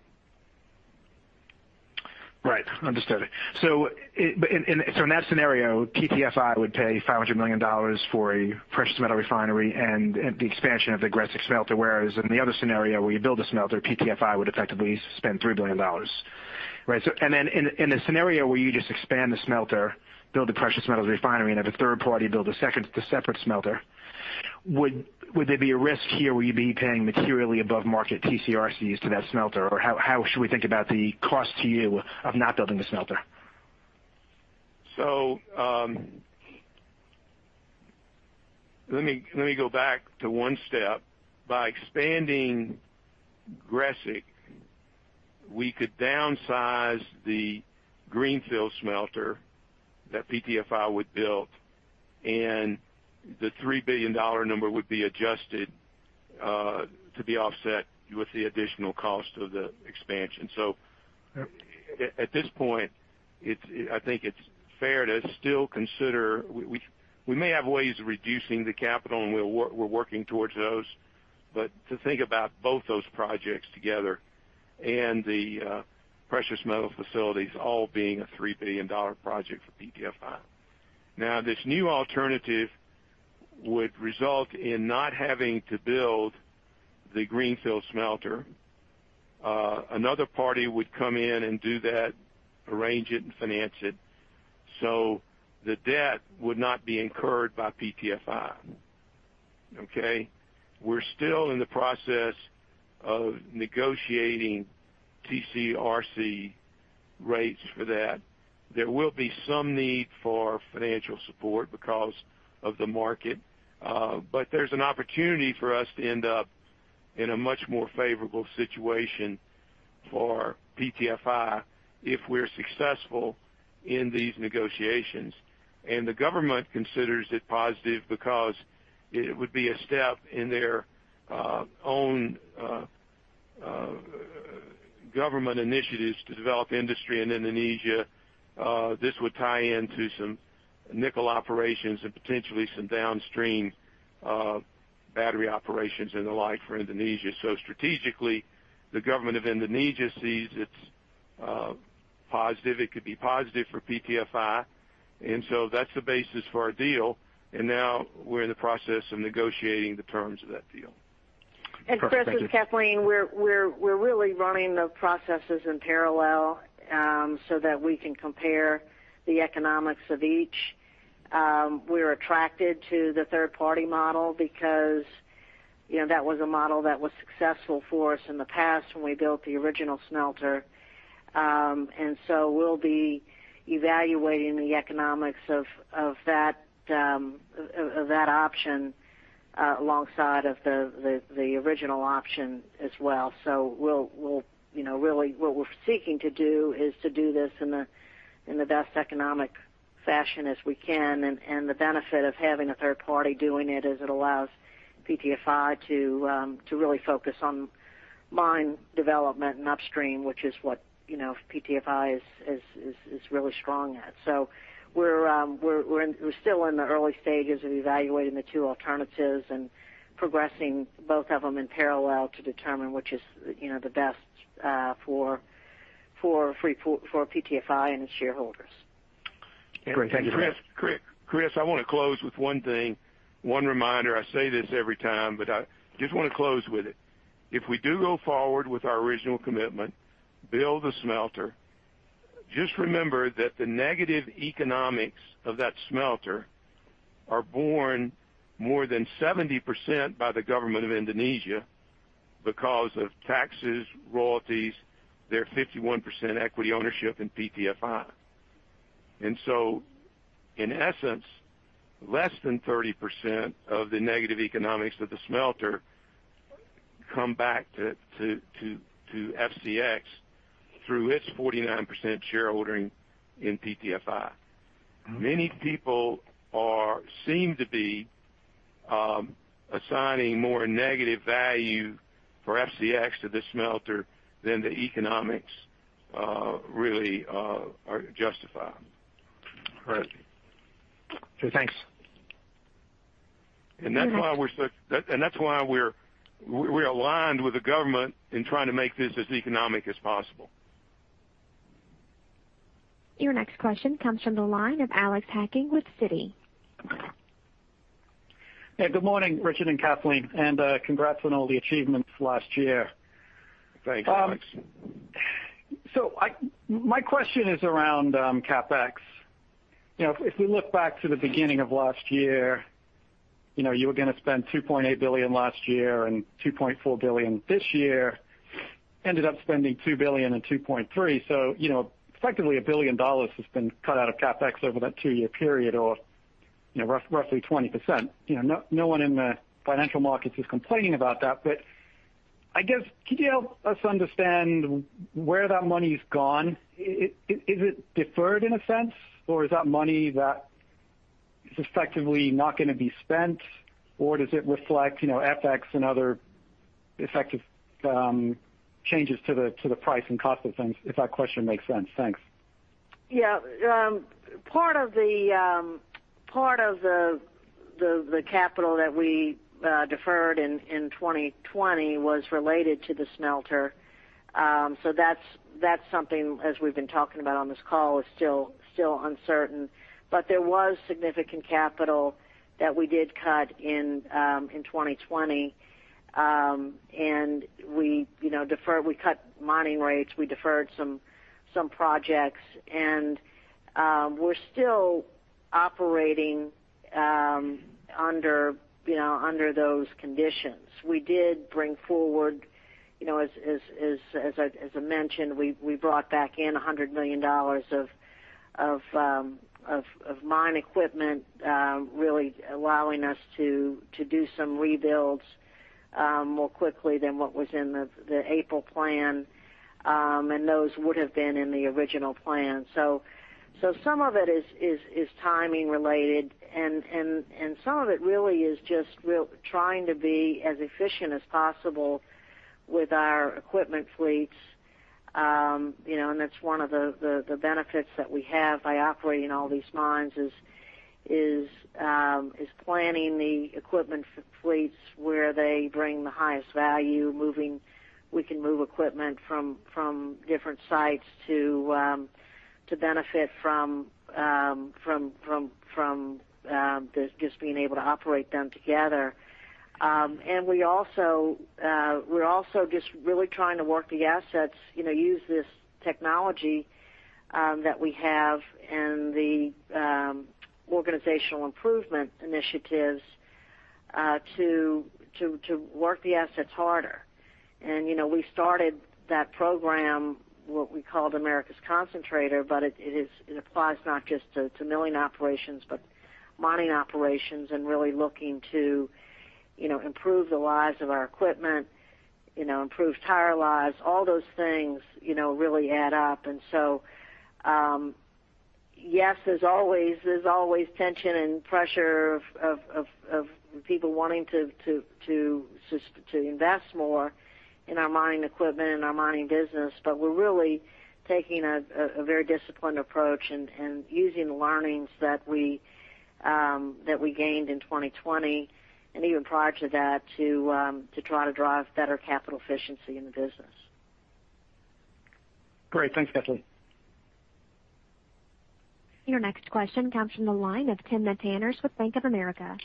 Understood. In that scenario, PT-FI would pay $500 million for a precious metal refinery and the expansion of the Gresik smelter, whereas in the other scenario, where you build a smelter, PT-FI would effectively spend $3 billion. Right? In the scenario where you just expand the smelter, build the precious metals refinery and have a third party build a separate smelter, would there be a risk here where you'd be paying materially above market TCRCs to that smelter? Or how should we think about the cost to you of not building the smelter? Let me go back to one step. By expanding Gresik, we could downsize the greenfield smelter that PT-FI would build, and the $3 billion number would be adjusted to be offset with the additional cost of the expansion. At this point, I think it's fair to still consider, we may have ways of reducing the capital, and we're working towards those. To think about both those projects together and the precious metal facilities all being a $3 billion project for PT-FI. Now, this new alternative would result in not having to build the greenfield smelter. Another party would come in and do that, arrange it, and finance it. The debt would not be incurred by PT-FI. Okay? We're still in the process of negotiating TCRC rates for that. There will be some need for financial support because of the market. There's an opportunity for us to end up in a much more favorable situation for PT-FI if we're successful in these negotiations. The government considers it positive because it would be a step in their own government initiatives to develop industry in Indonesia. This would tie into some nickel operations and potentially some downstream battery operations and the like for Indonesia. Strategically, the government of Indonesia sees it's positive. It could be positive for PT-FI, that's the basis for our deal. Now we're in the process of negotiating the terms of that deal. Great. Thank you. Chris, this is Kathleen. We're really running the processes in parallel so that we can compare the economics of each. We're attracted to the third-party model because that was a model that was successful for us in the past when we built the original smelter. We'll be evaluating the economics of that option alongside of the original option as well. Really, what we're seeking to do is to do this in the best economic fashion as we can. The benefit of having a third party doing it is it allows PT-FI to really focus on mine development and upstream, which is what PT-FI is really strong at. We're still in the early stages of evaluating the two alternatives and progressing both of them in parallel to determine which is the best for PT-FI and its shareholders. Great. Thank you. Chris, I want to close with one thing, one reminder. I say this every time, I just want to close with it. If we do go forward with our original commitment, build the smelter, just remember that the negative economics of that smelter are borne more than 70% by the government of Indonesia because of taxes, royalties, their 51% equity ownership in PT-FI. In essence, less than 30% of the negative economics of the smelter come back to FCX through its 49% shareholding in PT-FI. Many people seem to be assigning more negative value for FCX to the smelter than the economics really justify. Great. Okay, thanks. That's why we're aligned with the government in trying to make this as economic as possible. Your next question comes from the line of Alex Hacking with Citi. Hey, good morning, Richard and Kathleen, and congrats on all the achievements last year. Thanks, Alex. My question is around CapEx. If we look back to the beginning of last year, you were going to spend $2.8 billion last year and $2.4 billion this year. Ended up spending $2 billion and $2.3 billion. Effectively, $1 billion has been cut out of CapEx over that two year period or roughly 20%. No one in the financial markets is complaining about that, but I guess, could you help us understand where that money's gone? Is it deferred in a sense or is that money that is effectively not going to be spent? Does it reflect FX and other effective changes to the price and cost of things, if that question makes sense? Thanks. Yeah. Part of the capital that we deferred in 2020 was related to the smelter. That's something, as we've been talking about on this call, is still uncertain. There was significant capital that we did cut in 2020, and we cut mining rates, we deferred some projects, and we're still operating under those conditions. We did bring forward, as I mentioned, we brought back in $100 million of mine equipment, really allowing us to do some rebuilds more quickly than what was in the April plan. Those would have been in the original plan. Some of it is timing related, and some of it really is just trying to be as efficient as possible with our equipment fleets. That's one of the benefits that we have by operating all these mines is planning the equipment fleets where they bring the highest value. We can move equipment from different sites to benefit from just being able to operate them together. We're also just really trying to work the assets, use this technology that we have and the organizational improvement initiatives to work the assets harder. We started that program, what we called Americas' Concentrator, but it applies not just to milling operations, but mining operations and really looking to improve the lives of our equipment, improve tire lives. All those things really add up. Yes, there's always tension and pressure of people wanting to invest more in our mining equipment and our mining business. We're really taking a very disciplined approach and using the learnings that we gained in 2020 and even prior to that to try to drive better capital efficiency in the business. Great. Thanks, Kathleen. Your next question comes from the line of Timna Tanners with Bank of America.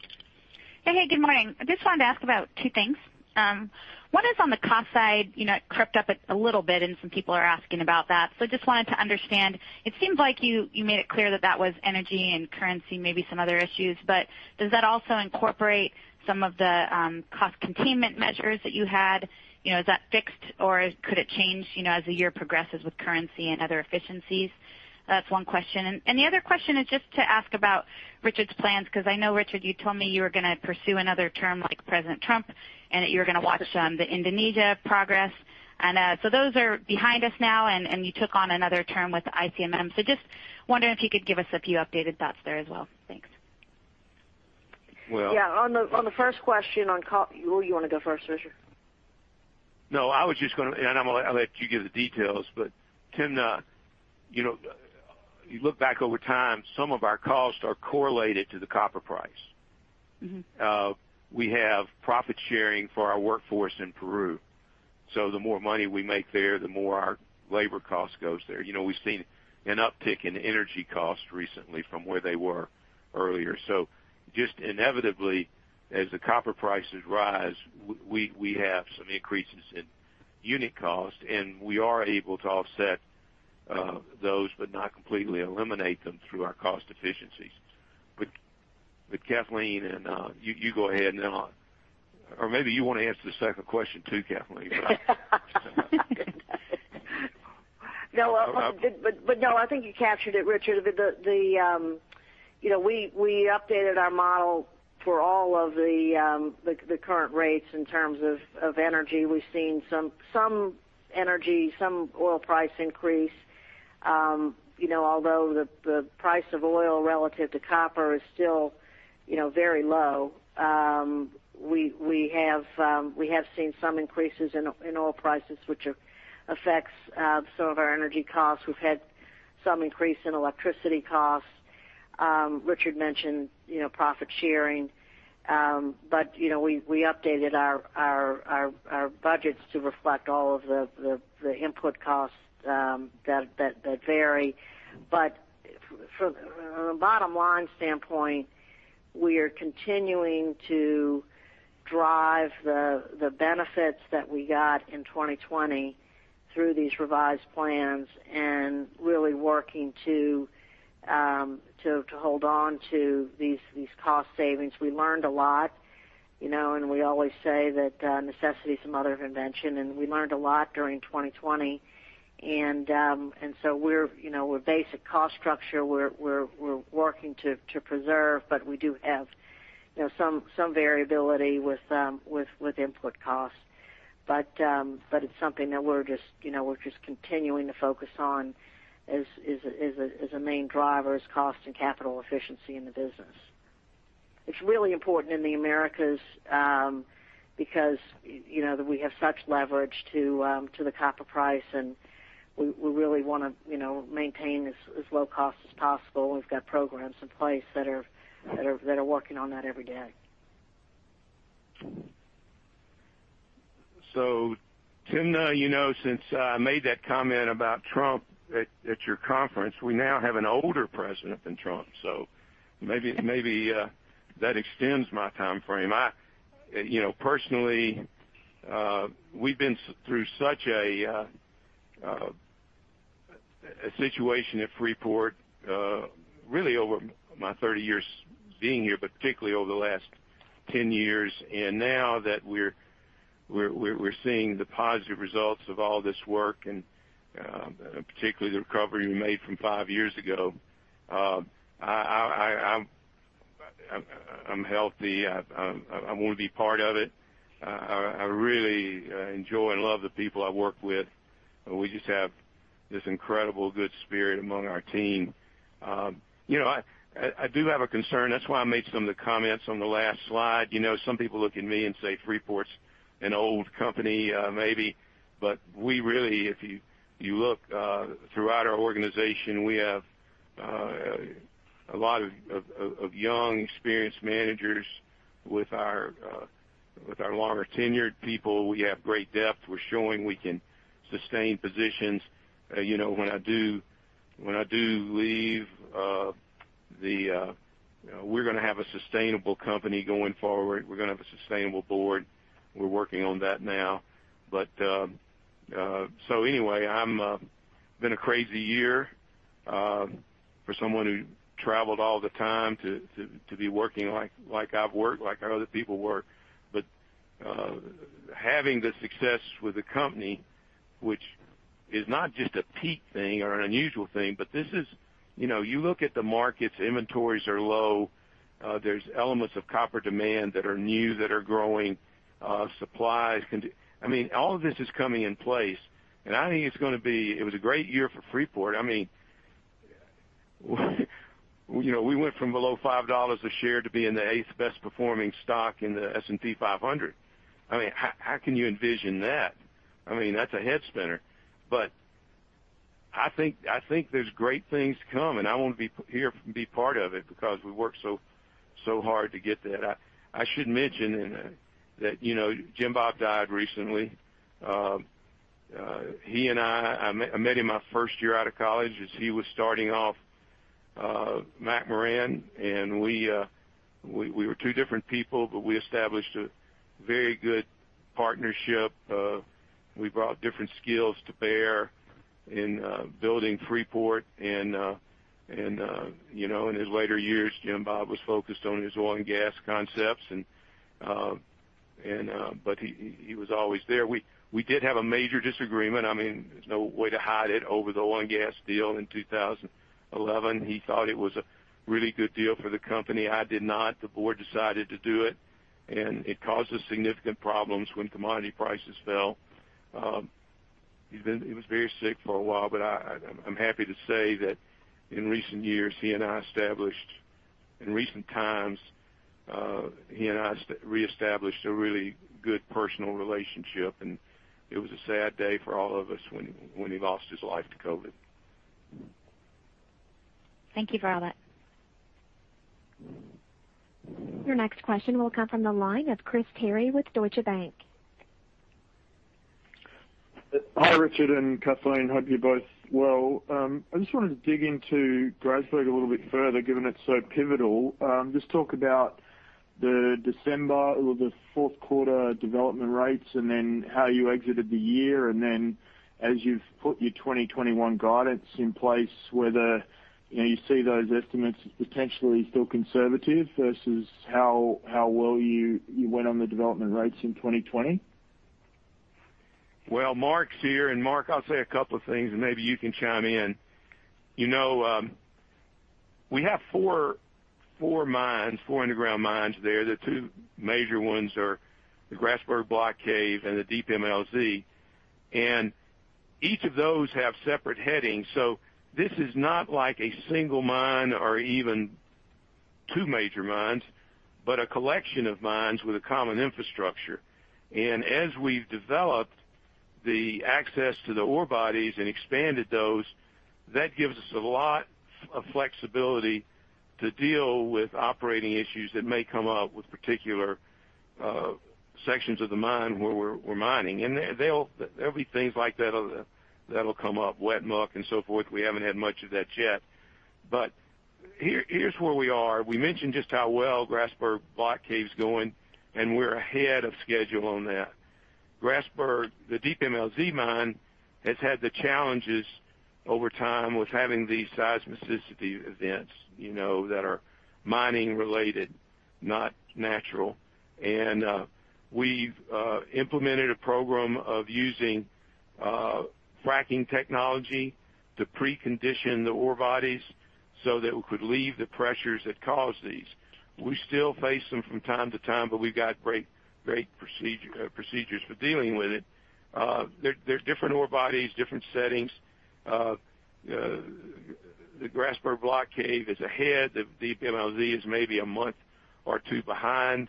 Hey. Good morning. I just wanted to ask about two things. One is on the cost side. It crept up a little bit, and some people are asking about that. I just wanted to understand. It seems like you made it clear that that was energy and currency, maybe some other issues. Does that also incorporate some of the cost containment measures that you had? Is that fixed or could it change as the year progresses with currency and other efficiencies? That's one question. The other question is just to ask about Richard's plans, because I know, Richard, you told me you were going to pursue another term like President Trump and that you were going to watch the Indonesia progress. Those are behind us now and you took on another term with ICMM. Just wondering if you could give us a few updated thoughts there as well. Thanks. Yeah. On the first question, you want to go first, Richard? No, I was just going to and I'm going to let you give the details. Timna, you look back over time, some of our costs are correlated to the copper price. We have profit sharing for our workforce in Peru. The more money we make there, the more our labor cost goes there. We've seen an uptick in energy costs recently from where they were earlier. Just inevitably, as the copper prices rise, we have some increases in unit cost, and we are able to offset those, but not completely eliminate them through our cost efficiencies. Kathleen, and you go ahead or maybe you want to answer the second question, too, Kathleen. No, I think you captured it, Richard. We updated our model for all of the current rates in terms of energy. We've seen some energy, some oil price increase. The price of oil relative to copper is still very low. We have seen some increases in oil prices, which affects some of our energy costs. We've had some increase in electricity costs. Richard mentioned profit sharing. We updated our budgets to reflect all of the input costs that vary. From a bottom-line standpoint, we are continuing to drive the benefits that we got in 2020 through these revised plans and really working to hold on to these cost savings. We learned a lot and we always say that necessity is the mother of invention, and we learned a lot during 2020. Our basic cost structure, we're working to preserve, but we do have some variability with input costs. It's something that we're just continuing to focus on as a main driver is cost and capital efficiency in the business. It's really important in the Americas, because we have such leverage to the copper price, and we really want to maintain as low cost as possible. We've got programs in place that are working on that every day. Timna, you know, since I made that comment about Trump at your conference, we now have an older president than Trump. Maybe that extends my timeframe. Personally, we've been through such a situation at Freeport, really over my 30 years being here, but particularly over the last 10 years. Now that we're seeing the positive results of all this work, and particularly the recovery we made from five years ago, I'm healthy. I want to be part of it. I really enjoy and love the people I work with. We just have this incredible good spirit among our team. I do have a concern. That's why I made some of the comments on the last slide. Some people look at me and say Freeport's an old company, maybe, but we really, if you look throughout our organization, we have a lot of young, experienced managers with our longer-tenured people. We have great depth. We're showing we can sustain positions. When I do leave, we're going to have a sustainable company going forward. We're going to have a sustainable board. We're working on that now. Anyway, been a crazy year for someone who traveled all the time to be working like I've worked, like our other people work. Having the success with the company, which is not just a peak thing or an unusual thing, but you look at the markets, inventories are low. There's elements of copper demand that are new, that are growing, supplies. All of this is coming in place, and I think it was a great year for Freeport. We went from below $5 a share to being the eighth best performing stock in the S&P 500. How can you envision that? That's a head spinner. I think there's great things to come and I want to be here and be part of it because we worked so hard to get that. I should mention that Jim Bob died recently. I met him my first year out of college as he was starting off McMoRan and we were two different people, but we established a very good partnership. We brought different skills to bear in building Freeport and in his later years, Jim Bob was focused on his oil and gas concepts. He was always there. We did have a major disagreement, there's no way to hide it, over the oil and gas deal in 2011. He thought it was a really good deal for the company. I did not. The board decided to do it, and it caused us significant problems when commodity prices fell. He was very sick for a while, but I'm happy to say that in recent times, he and I reestablished a really good personal relationship, and it was a sad day for all of us when he lost his life to COVID. Thank you for all that. Your next question will come from the line of Chris Terry with Deutsche Bank. Hi, Richard and Kathleen. Hope you're both well. I just wanted to dig into Grasberg a little bit further, given it's so pivotal. Just talk about the December or the fourth quarter development rates, and then how you exited the year, and then as you've put your 2021 guidance in place, whether you see those estimates as potentially still conservative versus how well you went on the development rates in 2020. Well, Mark's here and Mark, I'll say a couple of things and maybe you can chime in. We have four underground mines there. The two major ones are the Grasberg Block Cave and the Deep MLZ. Each of those have separate headings. This is not like a single mine or even two major mines, but a collection of mines with a common infrastructure. As we've developed the access to the ore bodies and expanded those, that gives us a lot of flexibility to deal with operating issues that may come up with particular sections of the mine where we're mining. There'll be things like that that'll come up, wet muck and so forth. We haven't had much of that yet. Here's where we are. We mentioned just how well Grasberg Block Cave is going. We're ahead of schedule on that. Grasberg, the Deep MLZ mine, has had the challenges over time with having these seismicity events that are mining related, not natural. We've implemented a program of using fracking technology to precondition the ore bodies so that we could leave the pressures that cause these. We still face them from time to time, but we've got great procedures for dealing with it. They're different ore bodies, different settings. The Grasberg Block Cave is ahead. The Deep MLZ is maybe a month or two behind.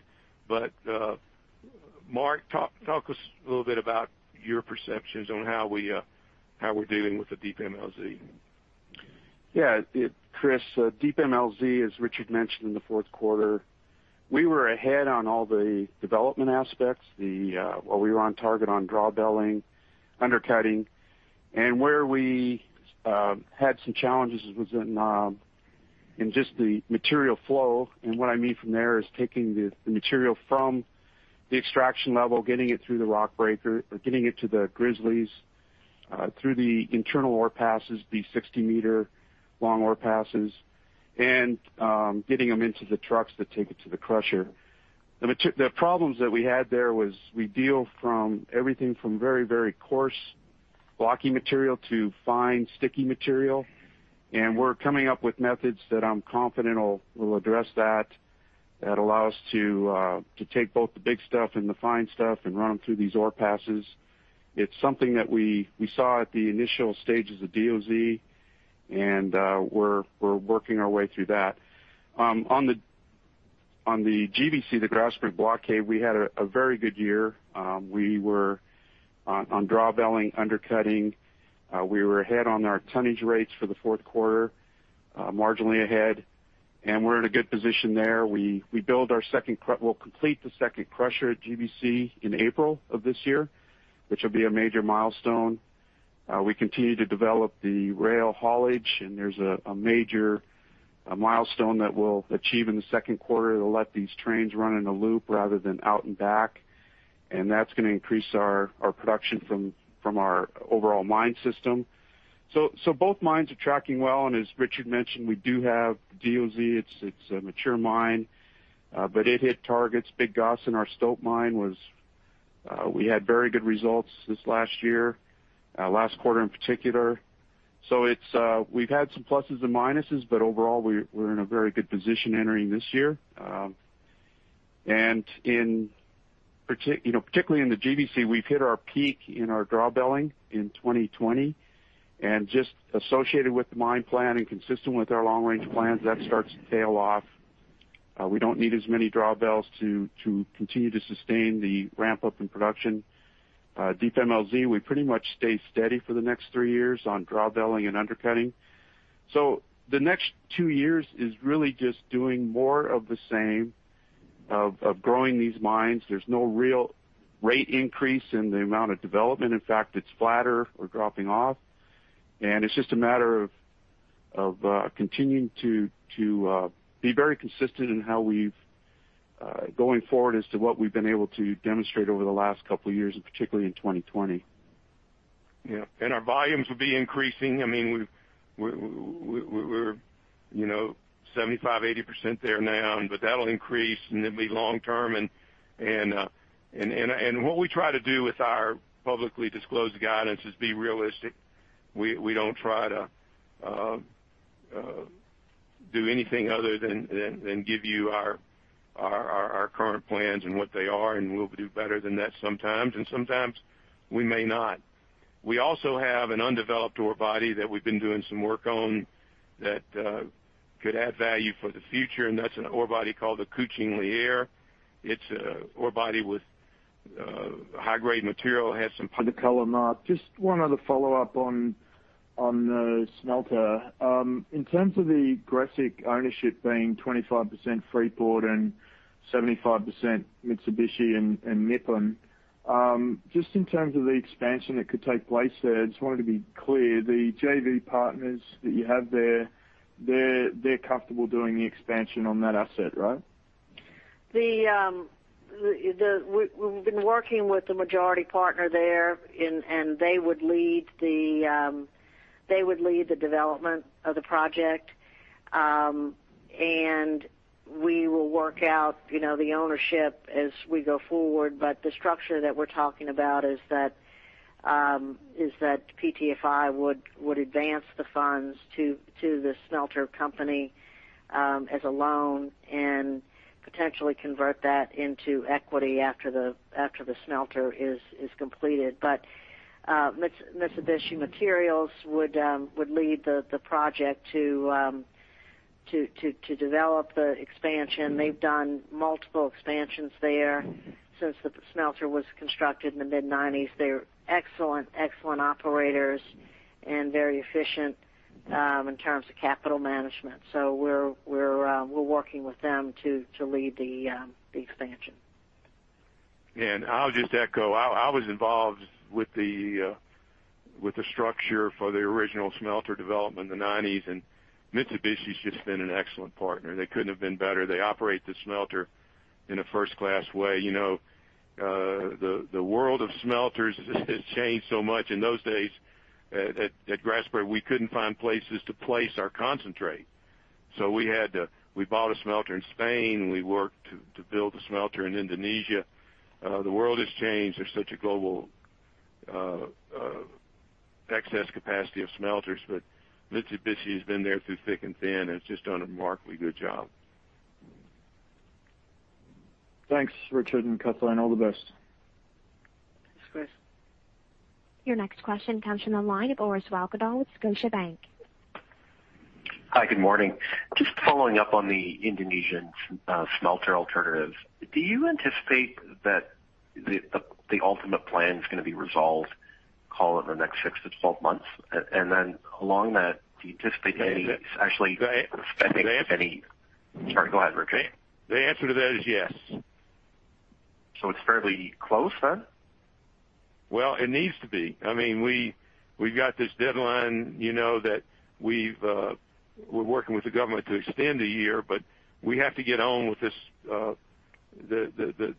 Mark, talk to us a little bit about your perceptions on how we're doing with the Deep MLZ. Yeah, Chris, Deep MLZ, as Richard mentioned, in the fourth quarter, we were ahead on all the development aspects. We were on target on drawbelling, undercutting, and where we had some challenges was in just the material flow. What I mean from there is taking the material from the extraction level, getting it through the rock breaker or getting it to the grizzlies through the internal ore passes, the 60 m long ore passes, and getting them into the trucks that take it to the crusher. The problems that we had there was we deal from everything from very coarse, blocky material to fine, sticky material, we're coming up with methods that I'm confident will address that allow us to take both the big stuff and the fine stuff and run them through these ore passes. It's something that we saw at the initial stages of DOZ, and we're working our way through that. On the GBC, the Grasberg Block Cave, we had a very good year. We were on drawbelling, undercutting. We were ahead on our tonnage rates for the fourth quarter, marginally ahead, and we're in a good position there. We'll complete the second crusher at GBC in April of this year, which will be a major milestone. We continue to develop the rail haulage, and there's a major milestone that we'll achieve in the second quarter to let these trains run in a loop rather than out and back. That's going to increase our production from our overall mine system. Both mines are tracking well, and as Richard mentioned, we do have DOZ. It's a mature mine, but it hit targets. Big Gossan, our stope mine, we had very good results this last year, last quarter in particular. We've had some pluses and minuses, but overall, we're in a very good position entering this year. Particularly in the GBC, we've hit our peak in our drawbelling in 2020, and just associated with the mine plan and consistent with our long-range plans, that starts to tail off. We don't need as many drawbells to continue to sustain the ramp-up in production. Deep MLZ, we pretty much stay steady for the next three years on drawbelling and undercutting. The next two years is really just doing more of the same of growing these mines. There's no real rate increase in the amount of development. In fact, it's flatter or dropping off. It's just a matter of continuing to be very consistent going forward as to what we've been able to demonstrate over the last couple of years and particularly in 2020. Yeah. Our volumes will be increasing. We're 75%, 80% there now, but that'll increase and it'll be long-term. What we try to do with our publicly disclosed guidance is be realistic. We don't try to do anything other than give you our current plans and what they are, and we'll do better than that sometimes, and sometimes we may not. We also have an undeveloped ore body that we've been doing some work on that could add value for the future and that's an ore body called the Kucing Liar. It's an ore body with high-grade material, has some. Under color, Mark, just one other follow-up on the smelter. In terms of the Grasberg ownership being 25% Freeport and 75% Mitsubishi and Nippon, just in terms of the expansion that could take place there, I just wanted to be clear, the JV partners that you have there, they're comfortable doing the expansion on that asset, right? We've been working with the majority partner there, and they would lead the development of the project. We will work out the ownership as we go forward. The structure that we're talking about is that PT-FI would advance the funds to the smelter company as a loan and potentially convert that into equity after the smelter is completed. Mitsubishi Materials would lead the project to develop the expansion. They've done multiple expansions there since the smelter was constructed in the mid-1990s. They're excellent operators and very efficient in terms of capital management. We're working with them to lead the expansion. I'll just echo. I was involved with the structure for the original smelter development in the 1990s, and Mitsubishi's just been an excellent partner. They couldn't have been better. They operate the smelter in a first-class way. The world of smelters has changed so much. In those days at Grasberg, we couldn't find places to place our concentrate. We bought a smelter in Spain. We worked to build a smelter in Indonesia. The world has changed. There's such a global excess capacity of smelters, Mitsubishi has been there through thick and thin and has just done a remarkably good job. Thanks, Richard and Kathleen. All the best. Thanks, Chris. Your next question comes from the line of Orest Wowkodaw with Scotiabank. Hi, good morning. Following up on the Indonesian smelter alternative, do you anticipate that the ultimate plan is going to be resolved, call it in the next 6-12 months? Along that, do you anticipate any. The answer- Sorry, go ahead, Richard. The answer to that is yes. It's fairly close then? Well, it needs to be. We've got this deadline that we're working with the government to extend a year, but we have to get on with this, the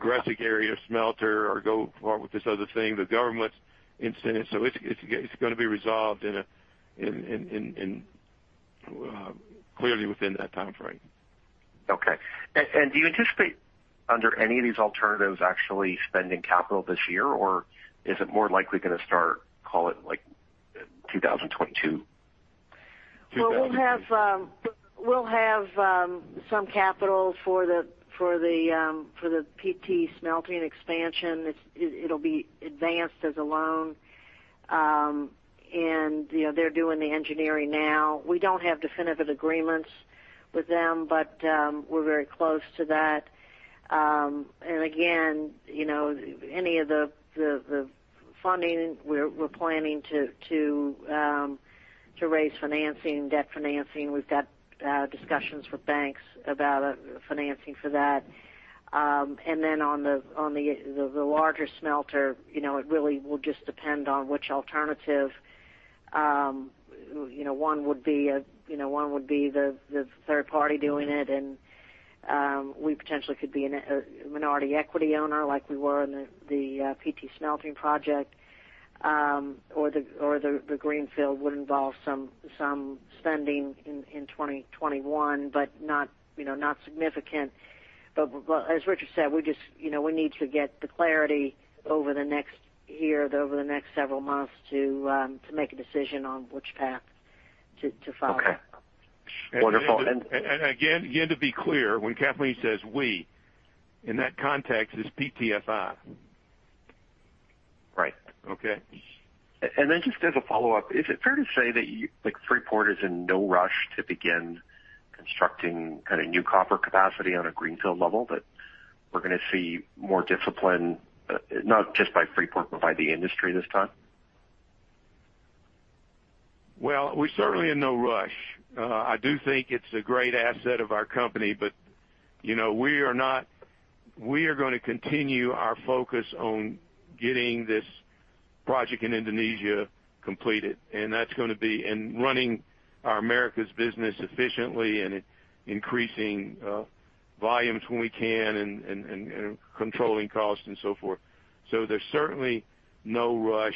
Gresik area smelter or go forward with this other thing the government's incented. It's going to be resolved clearly within that timeframe. Okay. Do you anticipate under any of these alternatives actually spending capital this year or is it more likely going to start, call it, like 2022? 2022. Well, we'll have some capital for the PT Smelting expansion. It'll be advanced as a loan. They're doing the engineering now. We don't have definitive agreements with them, but we're very close to that. Again, any of the funding we're planning to raise financing, debt financing, we've got discussions with banks about financing for that. On the larger smelter, it really will just depend on which alternative. One would be the third party doing it, and we potentially could be a minority equity owner like we were in the PT Smelting project. The greenfield would involve some spending in 2021, but not significant. As Richard said, we need to get the clarity over the next year, over the next several months to make a decision on which path to follow. Okay. Wonderful. Again, to be clear, when Kathleen says we, in that context, it's PT-FI. Right. Okay. Just as a follow-up, is it fair to say that Freeport is in no rush to begin constructing kind of new copper capacity on a greenfield level, but we're going to see more discipline, not just by Freeport, but by the industry this time? We're certainly in no rush. I do think it's a great asset of our company, but we are going to continue our focus on getting this project in Indonesia completed, and that's going to be in running our Americas business efficiently and increasing volumes when we can and controlling costs and so forth. There's certainly no rush.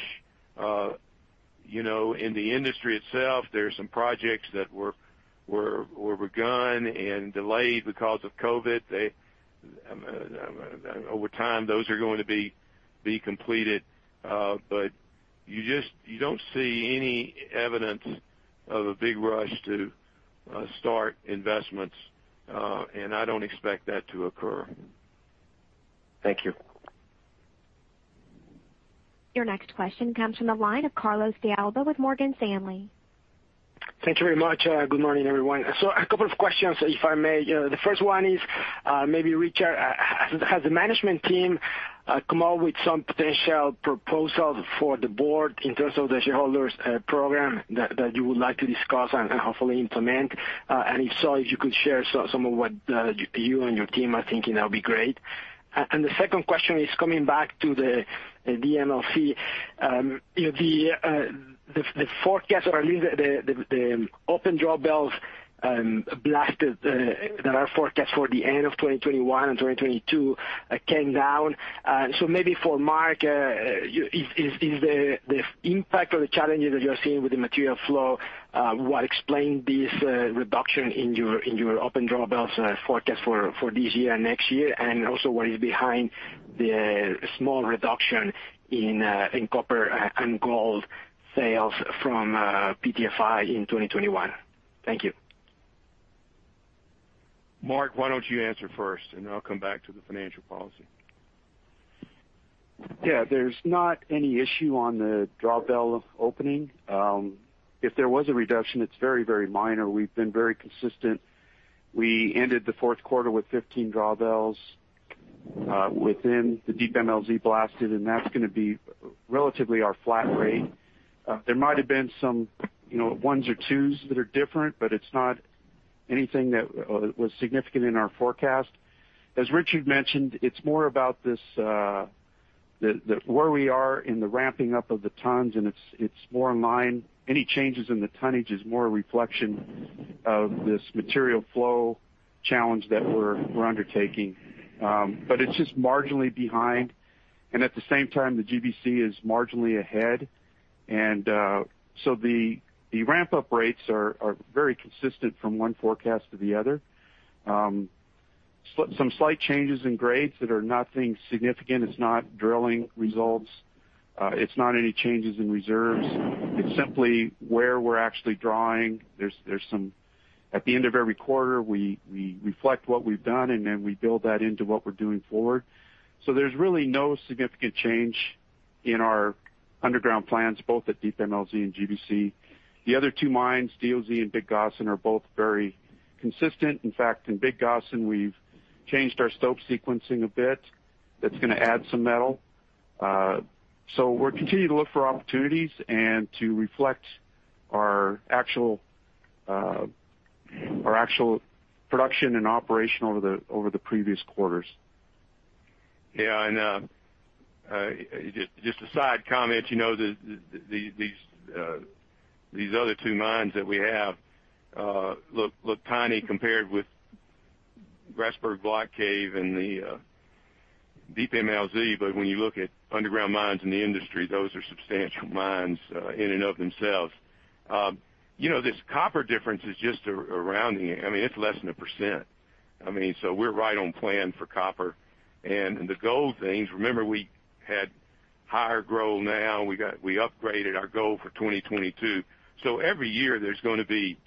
In the industry itself, there are some projects that were begun and delayed because of COVID. Over time, those are going to be completed. You don't see any evidence of a big rush to start investments and I don't expect that to occur. Thank you. Your next question comes from the line of Carlos de Alba with Morgan Stanley. Thank you very much. Good morning, everyone. A couple of questions, if I may. The first one is, maybe Richard, has the management team come out with some potential proposals for the board in terms of the shareholders program that you would like to discuss and hopefully implement? If so, if you could share some of what you and your team are thinking, that'd be great. The second question is coming back to the DMLZ. The forecast or at least the open drawbells blasted that are forecast for the end of 2021 and 2022 came down. Maybe for Mark, is the impact or the challenges that you're seeing with the material flow what explained this reduction in your open drawbells forecast for this year and next year? Also what is behind the small reduction in copper and gold sales from PT-FI in 2021? Thank you. Mark, why don't you answer first and then I'll come back to the financial policy. Yeah. There's not any issue on the drawbell opening. If there was a reduction, it's very minor. We've been very consistent. We ended the fourth quarter with 15 drawbells within the Deep MLZ blasted, and that's going to be relatively our flat rate. There might've been some ones or twos that are different, but it's not anything that was significant in our forecast. As Richard mentioned, it's more about where we are in the ramping up of the tons, and it's more in line. Any changes in the tonnage is more a reflection of this material flow challenge that we're undertaking. It's just marginally behind, and at the same time, the GBC is marginally ahead. The ramp-up rates are very consistent from one forecast to the other. Some slight changes in grades that are nothing significant. It's not drilling results. It's not any changes in reserves. It's simply where we're actually drawing. At the end of every quarter, we reflect what we've done. We build that into what we're doing forward. There's really no significant change in our underground plans, both at Deep MLZ and GBC. The other two mines, DOZ and Big Gossan, are both very consistent. In fact, in Big Gossan, we've changed our stope sequencing a bit. That's going to add some metal. We'll continue to look for opportunities and to reflect our actual production and operation over the previous quarters. Just a side comment, these other two mines that we have look tiny compared with Grasberg Block Cave and the Deep MLZ, but when you look at underground mines in the industry, those are substantial mines in and of themselves. This copper difference is just around here. It's less than 1%. We're right on plan for copper and the gold things. Remember, we had higher growth now. We upgraded our goal for 2022. Every year there's going to be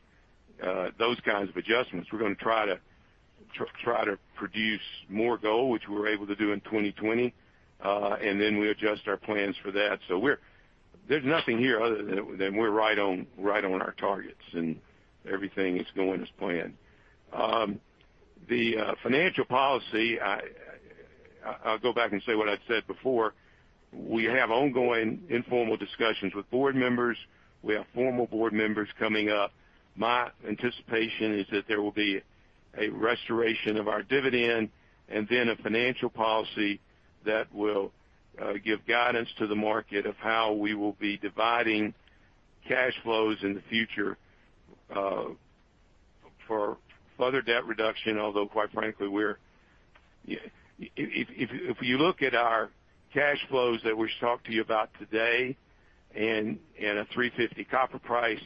those kinds of adjustments. We're going to try to produce more gold, which we were able to do in 2020. We adjust our plans for that. There's nothing here other than we're right on our targets, and everything is going as planned. The financial policy, I'll go back and say what I've said before. We have ongoing informal discussions with board members. We have formal board members coming up. My anticipation is that there will be a restoration of our dividend and then a financial policy that will give guidance to the market of how we will be dividing cash flows in the future for further debt reduction, although quite frankly, if you look at our cash flows that we've talked to you about today and a $3.50 copper price,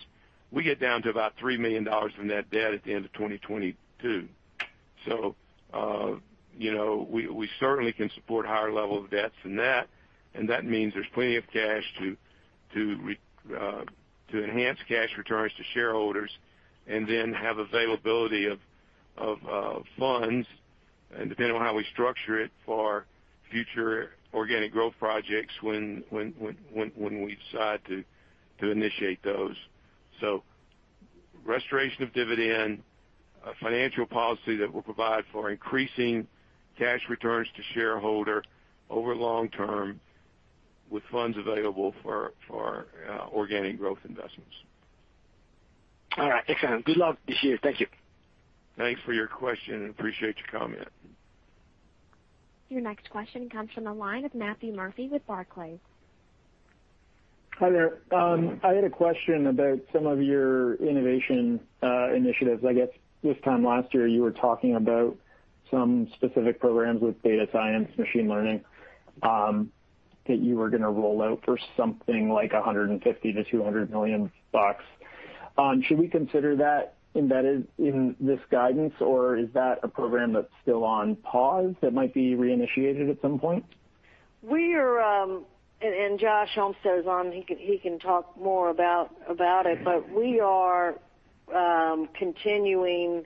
we get down to about $3 million in net debt at the end of 2022. We certainly can support higher level of debts than that, and that means there's plenty of cash to enhance cash returns to shareholders and then have availability of funds and depending on how we structure it for future organic growth projects when we decide to initiate those. Restoration of dividend, a financial policy that will provide for increasing cash returns to shareholder over long term with funds available for organic growth investments. All right. Excellent. Good luck this year. Thank you. Thanks for your question and appreciate your comment. Your next question comes from the line of Matthew Murphy with Barclays. Hi there. I had a question about some of your innovation initiatives. I guess this time last year, you were talking about some specific programs with data science, machine learning, that you were going to roll out for something like $150 million-$200 million. Should we consider that embedded in this guidance or is that a program that's still on pause that might be reinitiated at some point? We are and Josh Olmsted says on, he can talk more about it, but we are continuing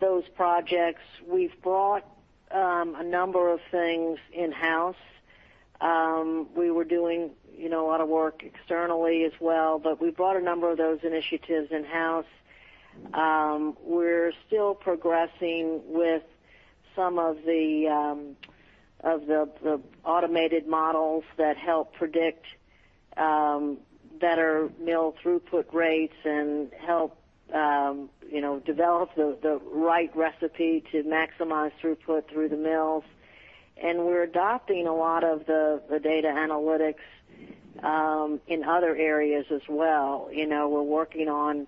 those projects. We've brought a number of things in-house. We were doing a lot of work externally as well, but we brought a number of those initiatives in-house. We're still progressing with some of the automated models that help predict better mill throughput rates and help develop the right recipe to maximize throughput through the mills. We're adopting a lot of the data analytics in other areas as well. We're working on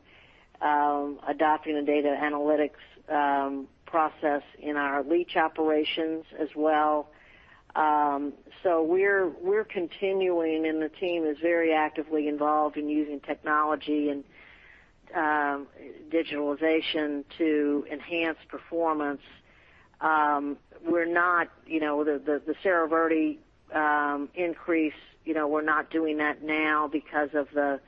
adopting a data analytics process in our leach operations as well. We're continuing and the team is very actively involved in using technology and digitalization to enhance performance. The Cerro Verde increase, we're not doing that now because of the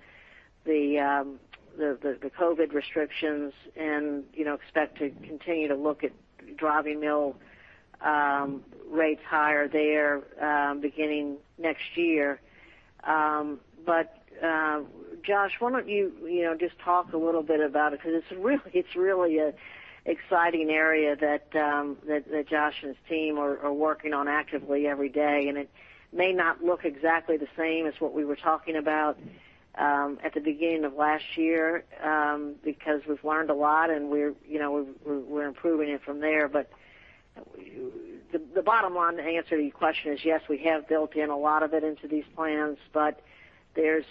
COVID restrictions and expect to continue to look at driving mill rates higher there beginning next year. Josh, why don't you just talk a little bit about it? It's really an exciting area that Josh and his team are working on actively every day, and it may not look exactly the same as what we were talking about at the beginning of last year because we've learned a lot and we're improving it from there. The bottom line answer to your question is yes, we have built in a lot of it into these plans, but there's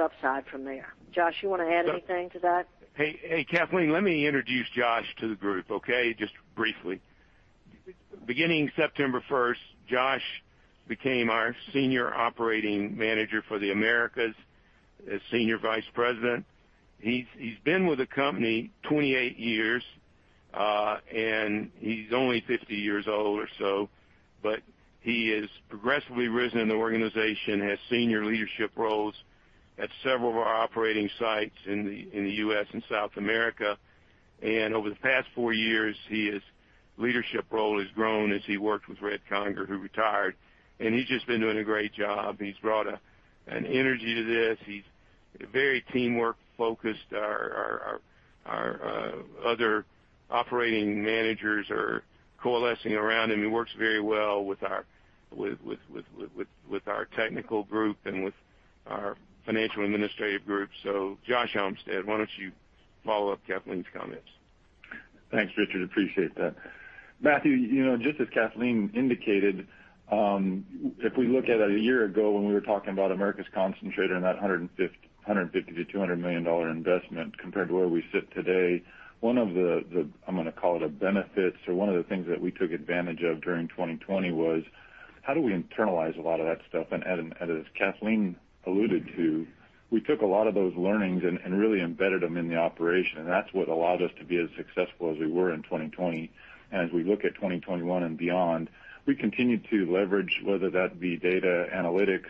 upside from there. Josh, you want to add anything to that? Hey, Kathleen, let me introduce Josh to the group, okay? Just briefly. Beginning September 1st, Josh became our Senior Operating Manager for the Americas as Senior Vice President. He's been with the company 28 years. He's only 50 years old or so, but he has progressively risen in the organization, has senior leadership roles at several of our operating sites in the U.S. and South America. Over the past four years, his leadership role has grown as he worked with Red Conger, who retired, and he's just been doing a great job. He's brought an energy to this. He's very teamwork-focused. Our other operating managers are coalescing around him. He works very well with our technical group and with our financial administrative group. Josh Olmsted, why don't you follow up Kathleen's comments? Thanks, Richard. Appreciate that. Matthew, just as Kathleen indicated, if we look at a year ago when we were talking about Americas' Concentrator and that $150 million-$200 million investment compared to where we sit today, one of the, I'm going to call it benefits or one of the things that we took advantage of during 2020 was how do we internalize a lot of that stuff. As Kathleen alluded to, we took a lot of those learnings and really embedded them in the operation, and that's what allowed us to be as successful as we were in 2020. As we look at 2021 and beyond, we continue to leverage, whether that be data analytics,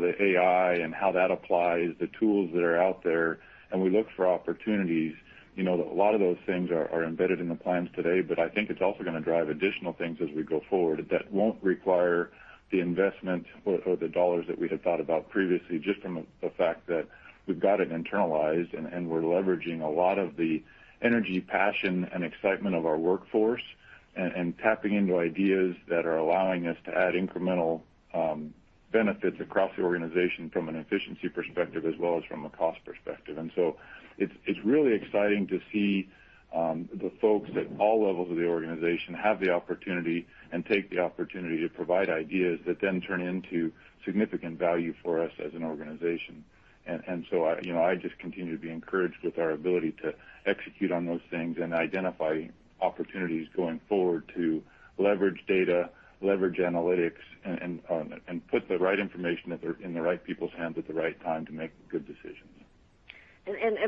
the AI and how that applies, the tools that are out there, and we look for opportunities. A lot of those things are embedded in the plans today, but I think it's also going to drive additional things as we go forward that won't require the investment or the dollars that we had thought about previously, just from the fact that we've got it internalized and we're leveraging a lot of the energy, passion, and excitement of our workforce and tapping into ideas that are allowing us to add incremental benefits across the organization from an efficiency perspective as well as from a cost perspective. It's really exciting to see the folks at all levels of the organization have the opportunity and take the opportunity to provide ideas that then turn into significant value for us as an organization. I just continue to be encouraged with our ability to execute on those things and identify opportunities going forward to leverage data, leverage analytics, and put the right information in the right people's hands at the right time to make good decisions.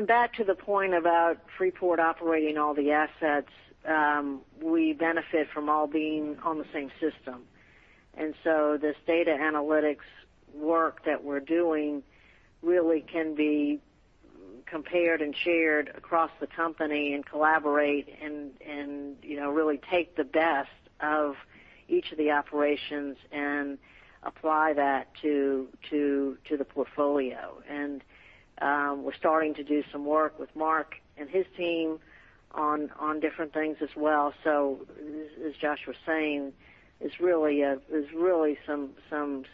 Back to the point about Freeport operating all the assets, we benefit from all being on the same system. This data analytics work that we're doing really can be compared and shared across the company and collaborate and really take the best of each of the operations and apply that to the portfolio. We're starting to do some work with Mark and his team on different things as well. As Josh was saying, there's really some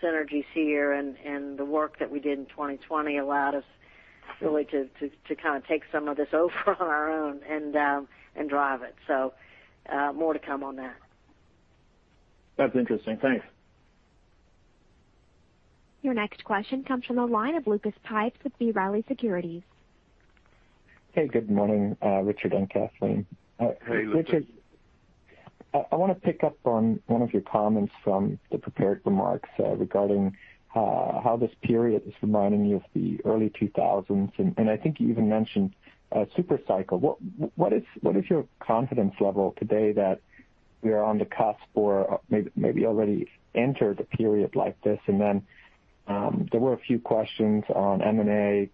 synergies here, and the work that we did in 2020 allowed us really to kind of take some of this over on our own and drive it. More to come on that. That's interesting. Thanks. Your next question comes from the line of Lucas Pipes with B. Riley Securities. Hey, good morning, Richard and Kathleen. Hey, Lucas. Richard, I want to pick up on one of your comments from the prepared remarks regarding how this period is reminding you of the early 2000s. I think you even mentioned a super cycle. What is your confidence level today that we are on the cusp or maybe already entered a period like this? There were a few questions on M&A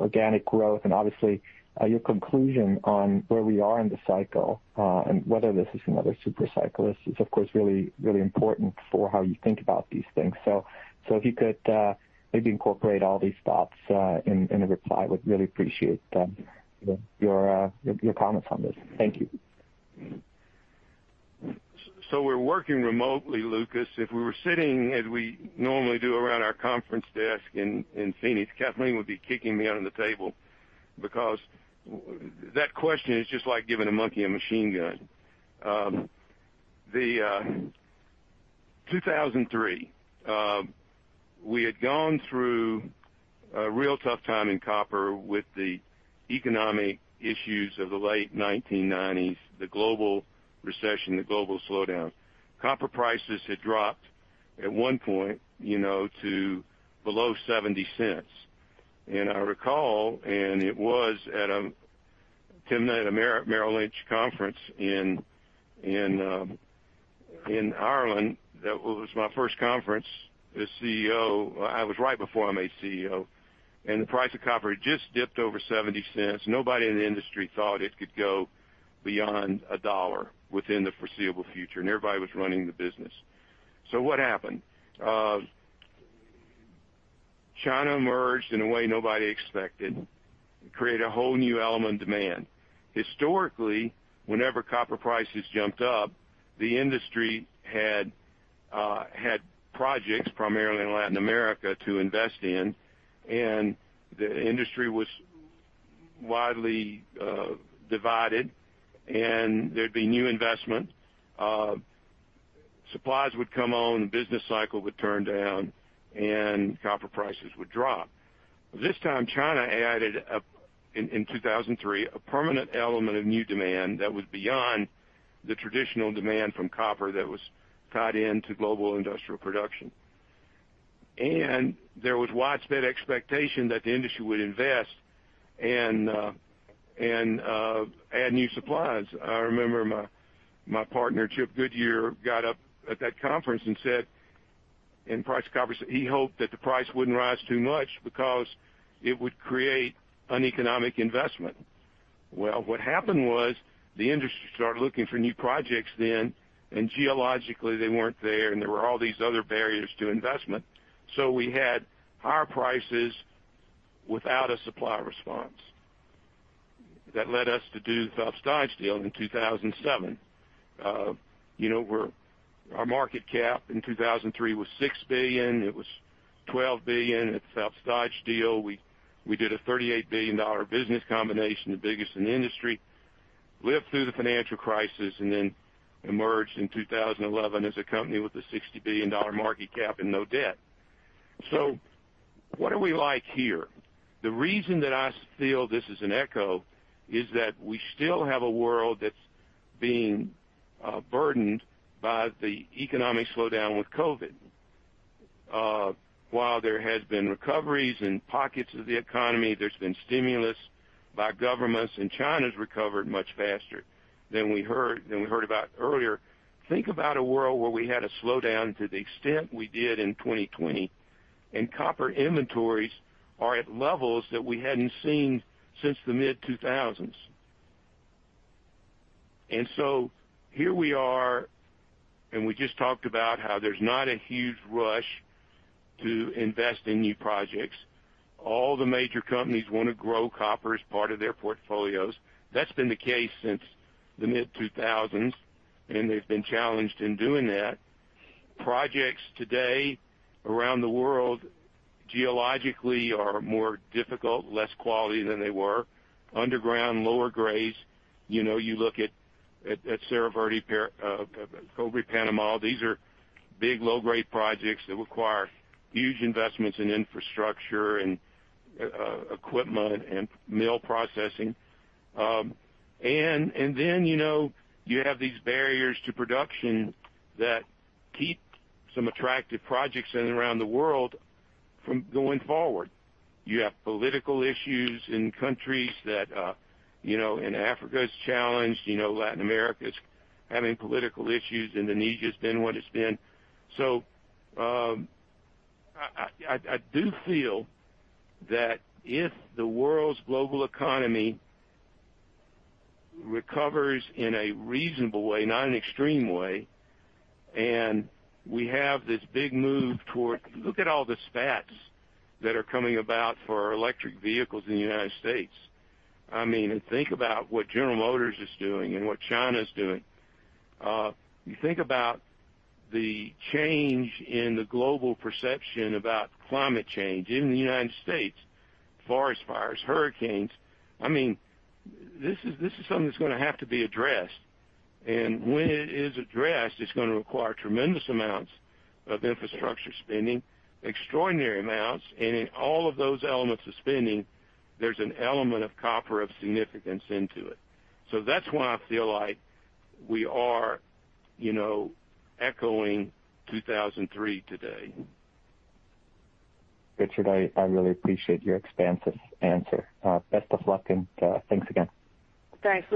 organic growth, and obviously your conclusion on where we are in the cycle, and whether this is another super cycle. This is, of course, really important for how you think about these things. If you could maybe incorporate all these thoughts in a reply, I would really appreciate your comments on this. Thank you. We're working remotely, Lucas. If we were sitting as we normally do around our conference desk in Phoenix, Kathleen would be kicking me under the table because that question is just like giving a monkey a machine gun. 2003, we had gone through a real tough time in copper with the economic issues of the late 1990s, the global recession, the global slowdown. Copper prices had dropped at one point to below $0.70. I recall, and it was at a Merrill Lynch conference in Ireland. That was my first conference as CEO. It was right before I made CEO, and the price of copper had just dipped over $0.70. Nobody in the industry thought it could go beyond $1 within the foreseeable future, and everybody was running the business. What happened? China emerged in a way nobody expected and created a whole new element of demand. Historically, whenever copper prices jumped up, the industry had projects primarily in Latin America to invest in, and the industry was widely divided, and there'd be new investment. Supplies would come on, the business cycle would turn down, and copper prices would drop. This time, China added, in 2003, a permanent element of new demand that was beyond the traditional demand from copper that was tied into global industrial production. There was widespread expectation that the industry would invest and add new supplies. I remember my partner, Chip Goodyear, got up at that conference and said, in price comparison, he hoped that the price wouldn't rise too much because it would create uneconomic investment. What happened was the industry started looking for new projects, and geologically, they weren't there, and there were all these other barriers to investment. We had higher prices without a supply response. That led us to do the Phelps Dodge deal in 2007. Our market cap in 2003 was $6 billion. It was $12 billion at the Phelps Dodge deal. We did a $38 billion business combination, the biggest in the industry. Lived through the financial crisis, and then emerged in 2011 as a company with a $60 billion market cap and no debt. What are we like here? The reason that I feel this is an echo is that we still have a world that's being burdened by the economic slowdown with COVID. While there has been recoveries in pockets of the economy, there's been stimulus by governments, and China's recovered much faster than we heard about earlier. Think about a world where we had a slowdown to the extent we did in 2020, and copper inventories are at levels that we hadn't seen since the mid-2000s. Here we are, and we just talked about how there's not a huge rush to invest in new projects. All the major companies want to grow copper as part of their portfolios. That's been the case since the mid-2000s, and they've been challenged in doing that. Projects today around the world, geologically, are more difficult, less quality than they were. Underground, lower grades. You look at Cerro Verde, Cobre Panama. These are big, low-grade projects that require huge investments in infrastructure and equipment and mill processing. You have these barriers to production that keep some attractive projects in and around the world from going forward. You have political issues in countries that Africa is challenged, Latin America is having political issues, Indonesia has been what it's been. I do feel that if the world's global economy recovers in a reasonable way, not an extreme way, and we have this big move toward. Look at all the stats that are coming about for electric vehicles in the United States. Think about what General Motors is doing and what China's doing. You think about the change in the global perception about climate change in the United States, forest fires, hurricanes. This is something that's going to have to be addressed. When it is addressed, it's going to require tremendous amounts of infrastructure spending, extraordinary amounts. In all of those elements of spending, there's an element of copper of significance into it. That's why I feel like we are echoing 2003 today. Richard, I really appreciate your expansive answer. Best of luck and thanks again. Thanks.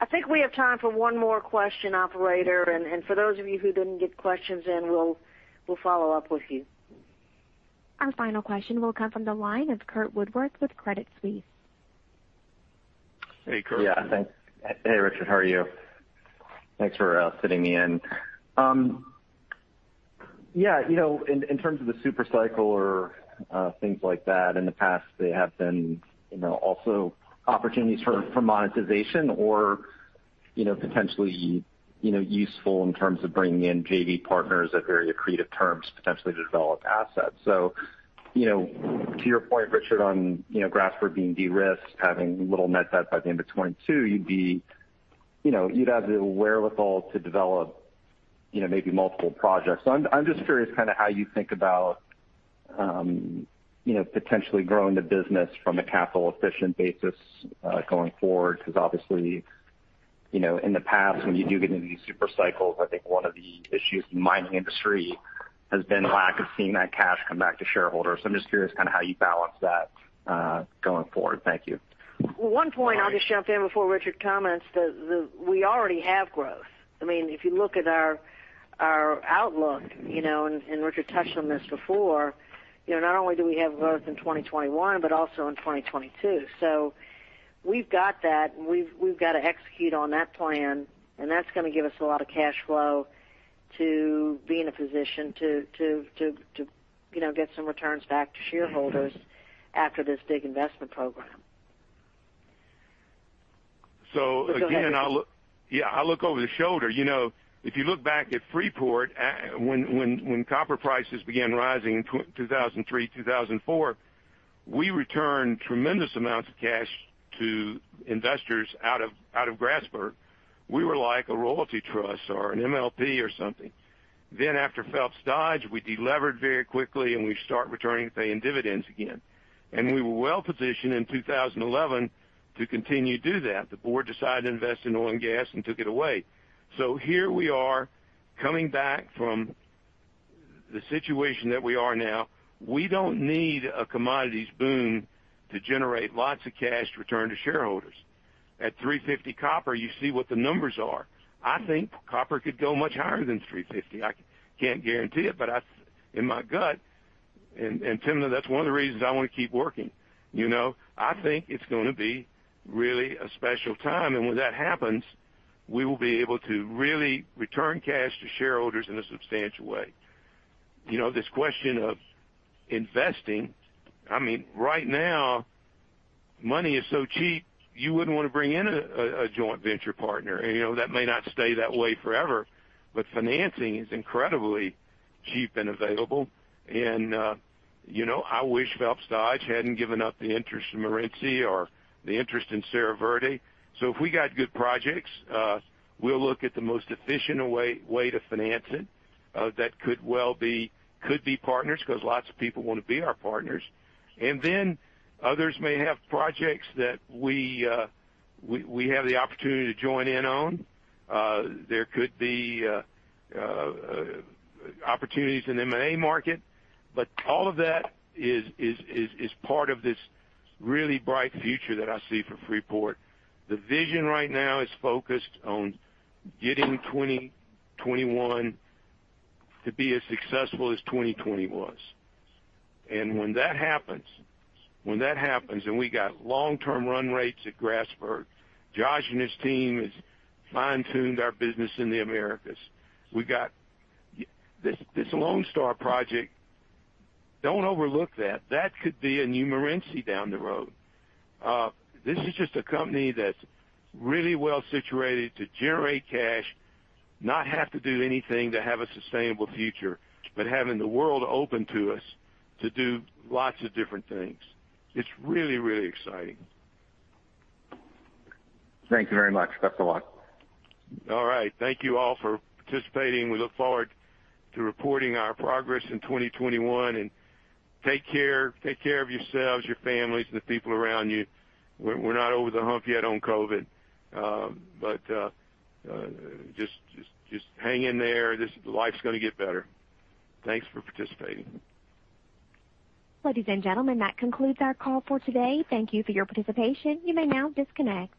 I think we have time for one more question, operator. For those of you who didn't get questions in, we'll follow up with you. Our final question will come from the line of Curt Woodworth with Credit Suisse. Hey, Curt. Yeah, thanks. Hey, Richard. How are you? Thanks for fitting me in. In terms of the super cycle or things like that, in the past, they have been also opportunities for monetization or potentially useful in terms of bringing in JV partners at very accretive terms, potentially to develop assets. To your point, Richard, on Grasberg being de-risked, having little net debt by the end of 2022, you'd have the wherewithal to develop maybe multiple projects. I'm just curious how you think about potentially growing the business from a capital-efficient basis going forward, because obviously, in the past, when you do get into these super cycles, I think one of the issues in the mining industry has been the lack of seeing that cash come back to shareholders. I'm just curious how you balance that going forward. Thank you. One point, I'll just jump in before Richard comments, that we already have growth. If you look at our outlook, and Richard touched on this before, not only do we have growth in 2021, but also in 2022. We've got that, and we've got to execute on that plan, and that's going to give us a lot of cash flow to be in a position to get some returns back to shareholders after this big investment program. Again, I look over the shoulder. If you look back at Freeport, when copper prices began rising in 2003, 2004, we returned tremendous amounts of cash to investors out of Grasberg. We were like a royalty trust or an MLP or something. After Phelps Dodge, we de-levered very quickly, and we start returning, paying dividends again. We were well-positioned in 2011 to continue to do that. The board decided to invest in oil and gas and took it away. Here we are coming back from the situation that we are now, we don't need a commodities boom to generate lots of cash to return to shareholders. At $3.50 copper, you see what the numbers are. I think copper could go much higher than $3.50. I can't guarantee it, but in my gut, and Timna, that's one of the reasons I want to keep working. I think it's going to be really a special time, and when that happens, we will be able to really return cash to shareholders in a substantial way. This question of investing, right now, money is so cheap, you wouldn't want to bring in a joint venture partner. That may not stay that way forever, but financing is incredibly cheap and available. I wish Phelps Dodge hadn't given up the interest in Morenci or the interest in Cerro Verde. If we got good projects, we'll look at the most efficient way to finance it. That could be partners, because lots of people want to be our partners. Others may have projects that we have the opportunity to join in on. There could be opportunities in the M&A market. All of that is part of this really bright future that I see for Freeport. The vision right now is focused on getting 2021 to be as successful as 2020 was. When that happens, we got long-term run rates at Grasberg, Josh and his team has fine-tuned our business in the Americas. We got this Lone Star project. Don't overlook that. That could be a new Morenci down the road. This is just a company that's really well-situated to generate cash, not have to do anything to have a sustainable future, but having the world open to us to do lots of different things. It's really, really exciting. Thank you very much. That's a lot. All right. Thank you all for participating. We look forward to reporting our progress in 2021. Take care. Take care of yourselves, your families, and the people around you. We're not over the hump yet on COVID. Just hang in there. Life's going to get better. Thanks for participating. Ladies and gentlemen, that concludes our call for today. Thank you for your participation. You may now disconnect.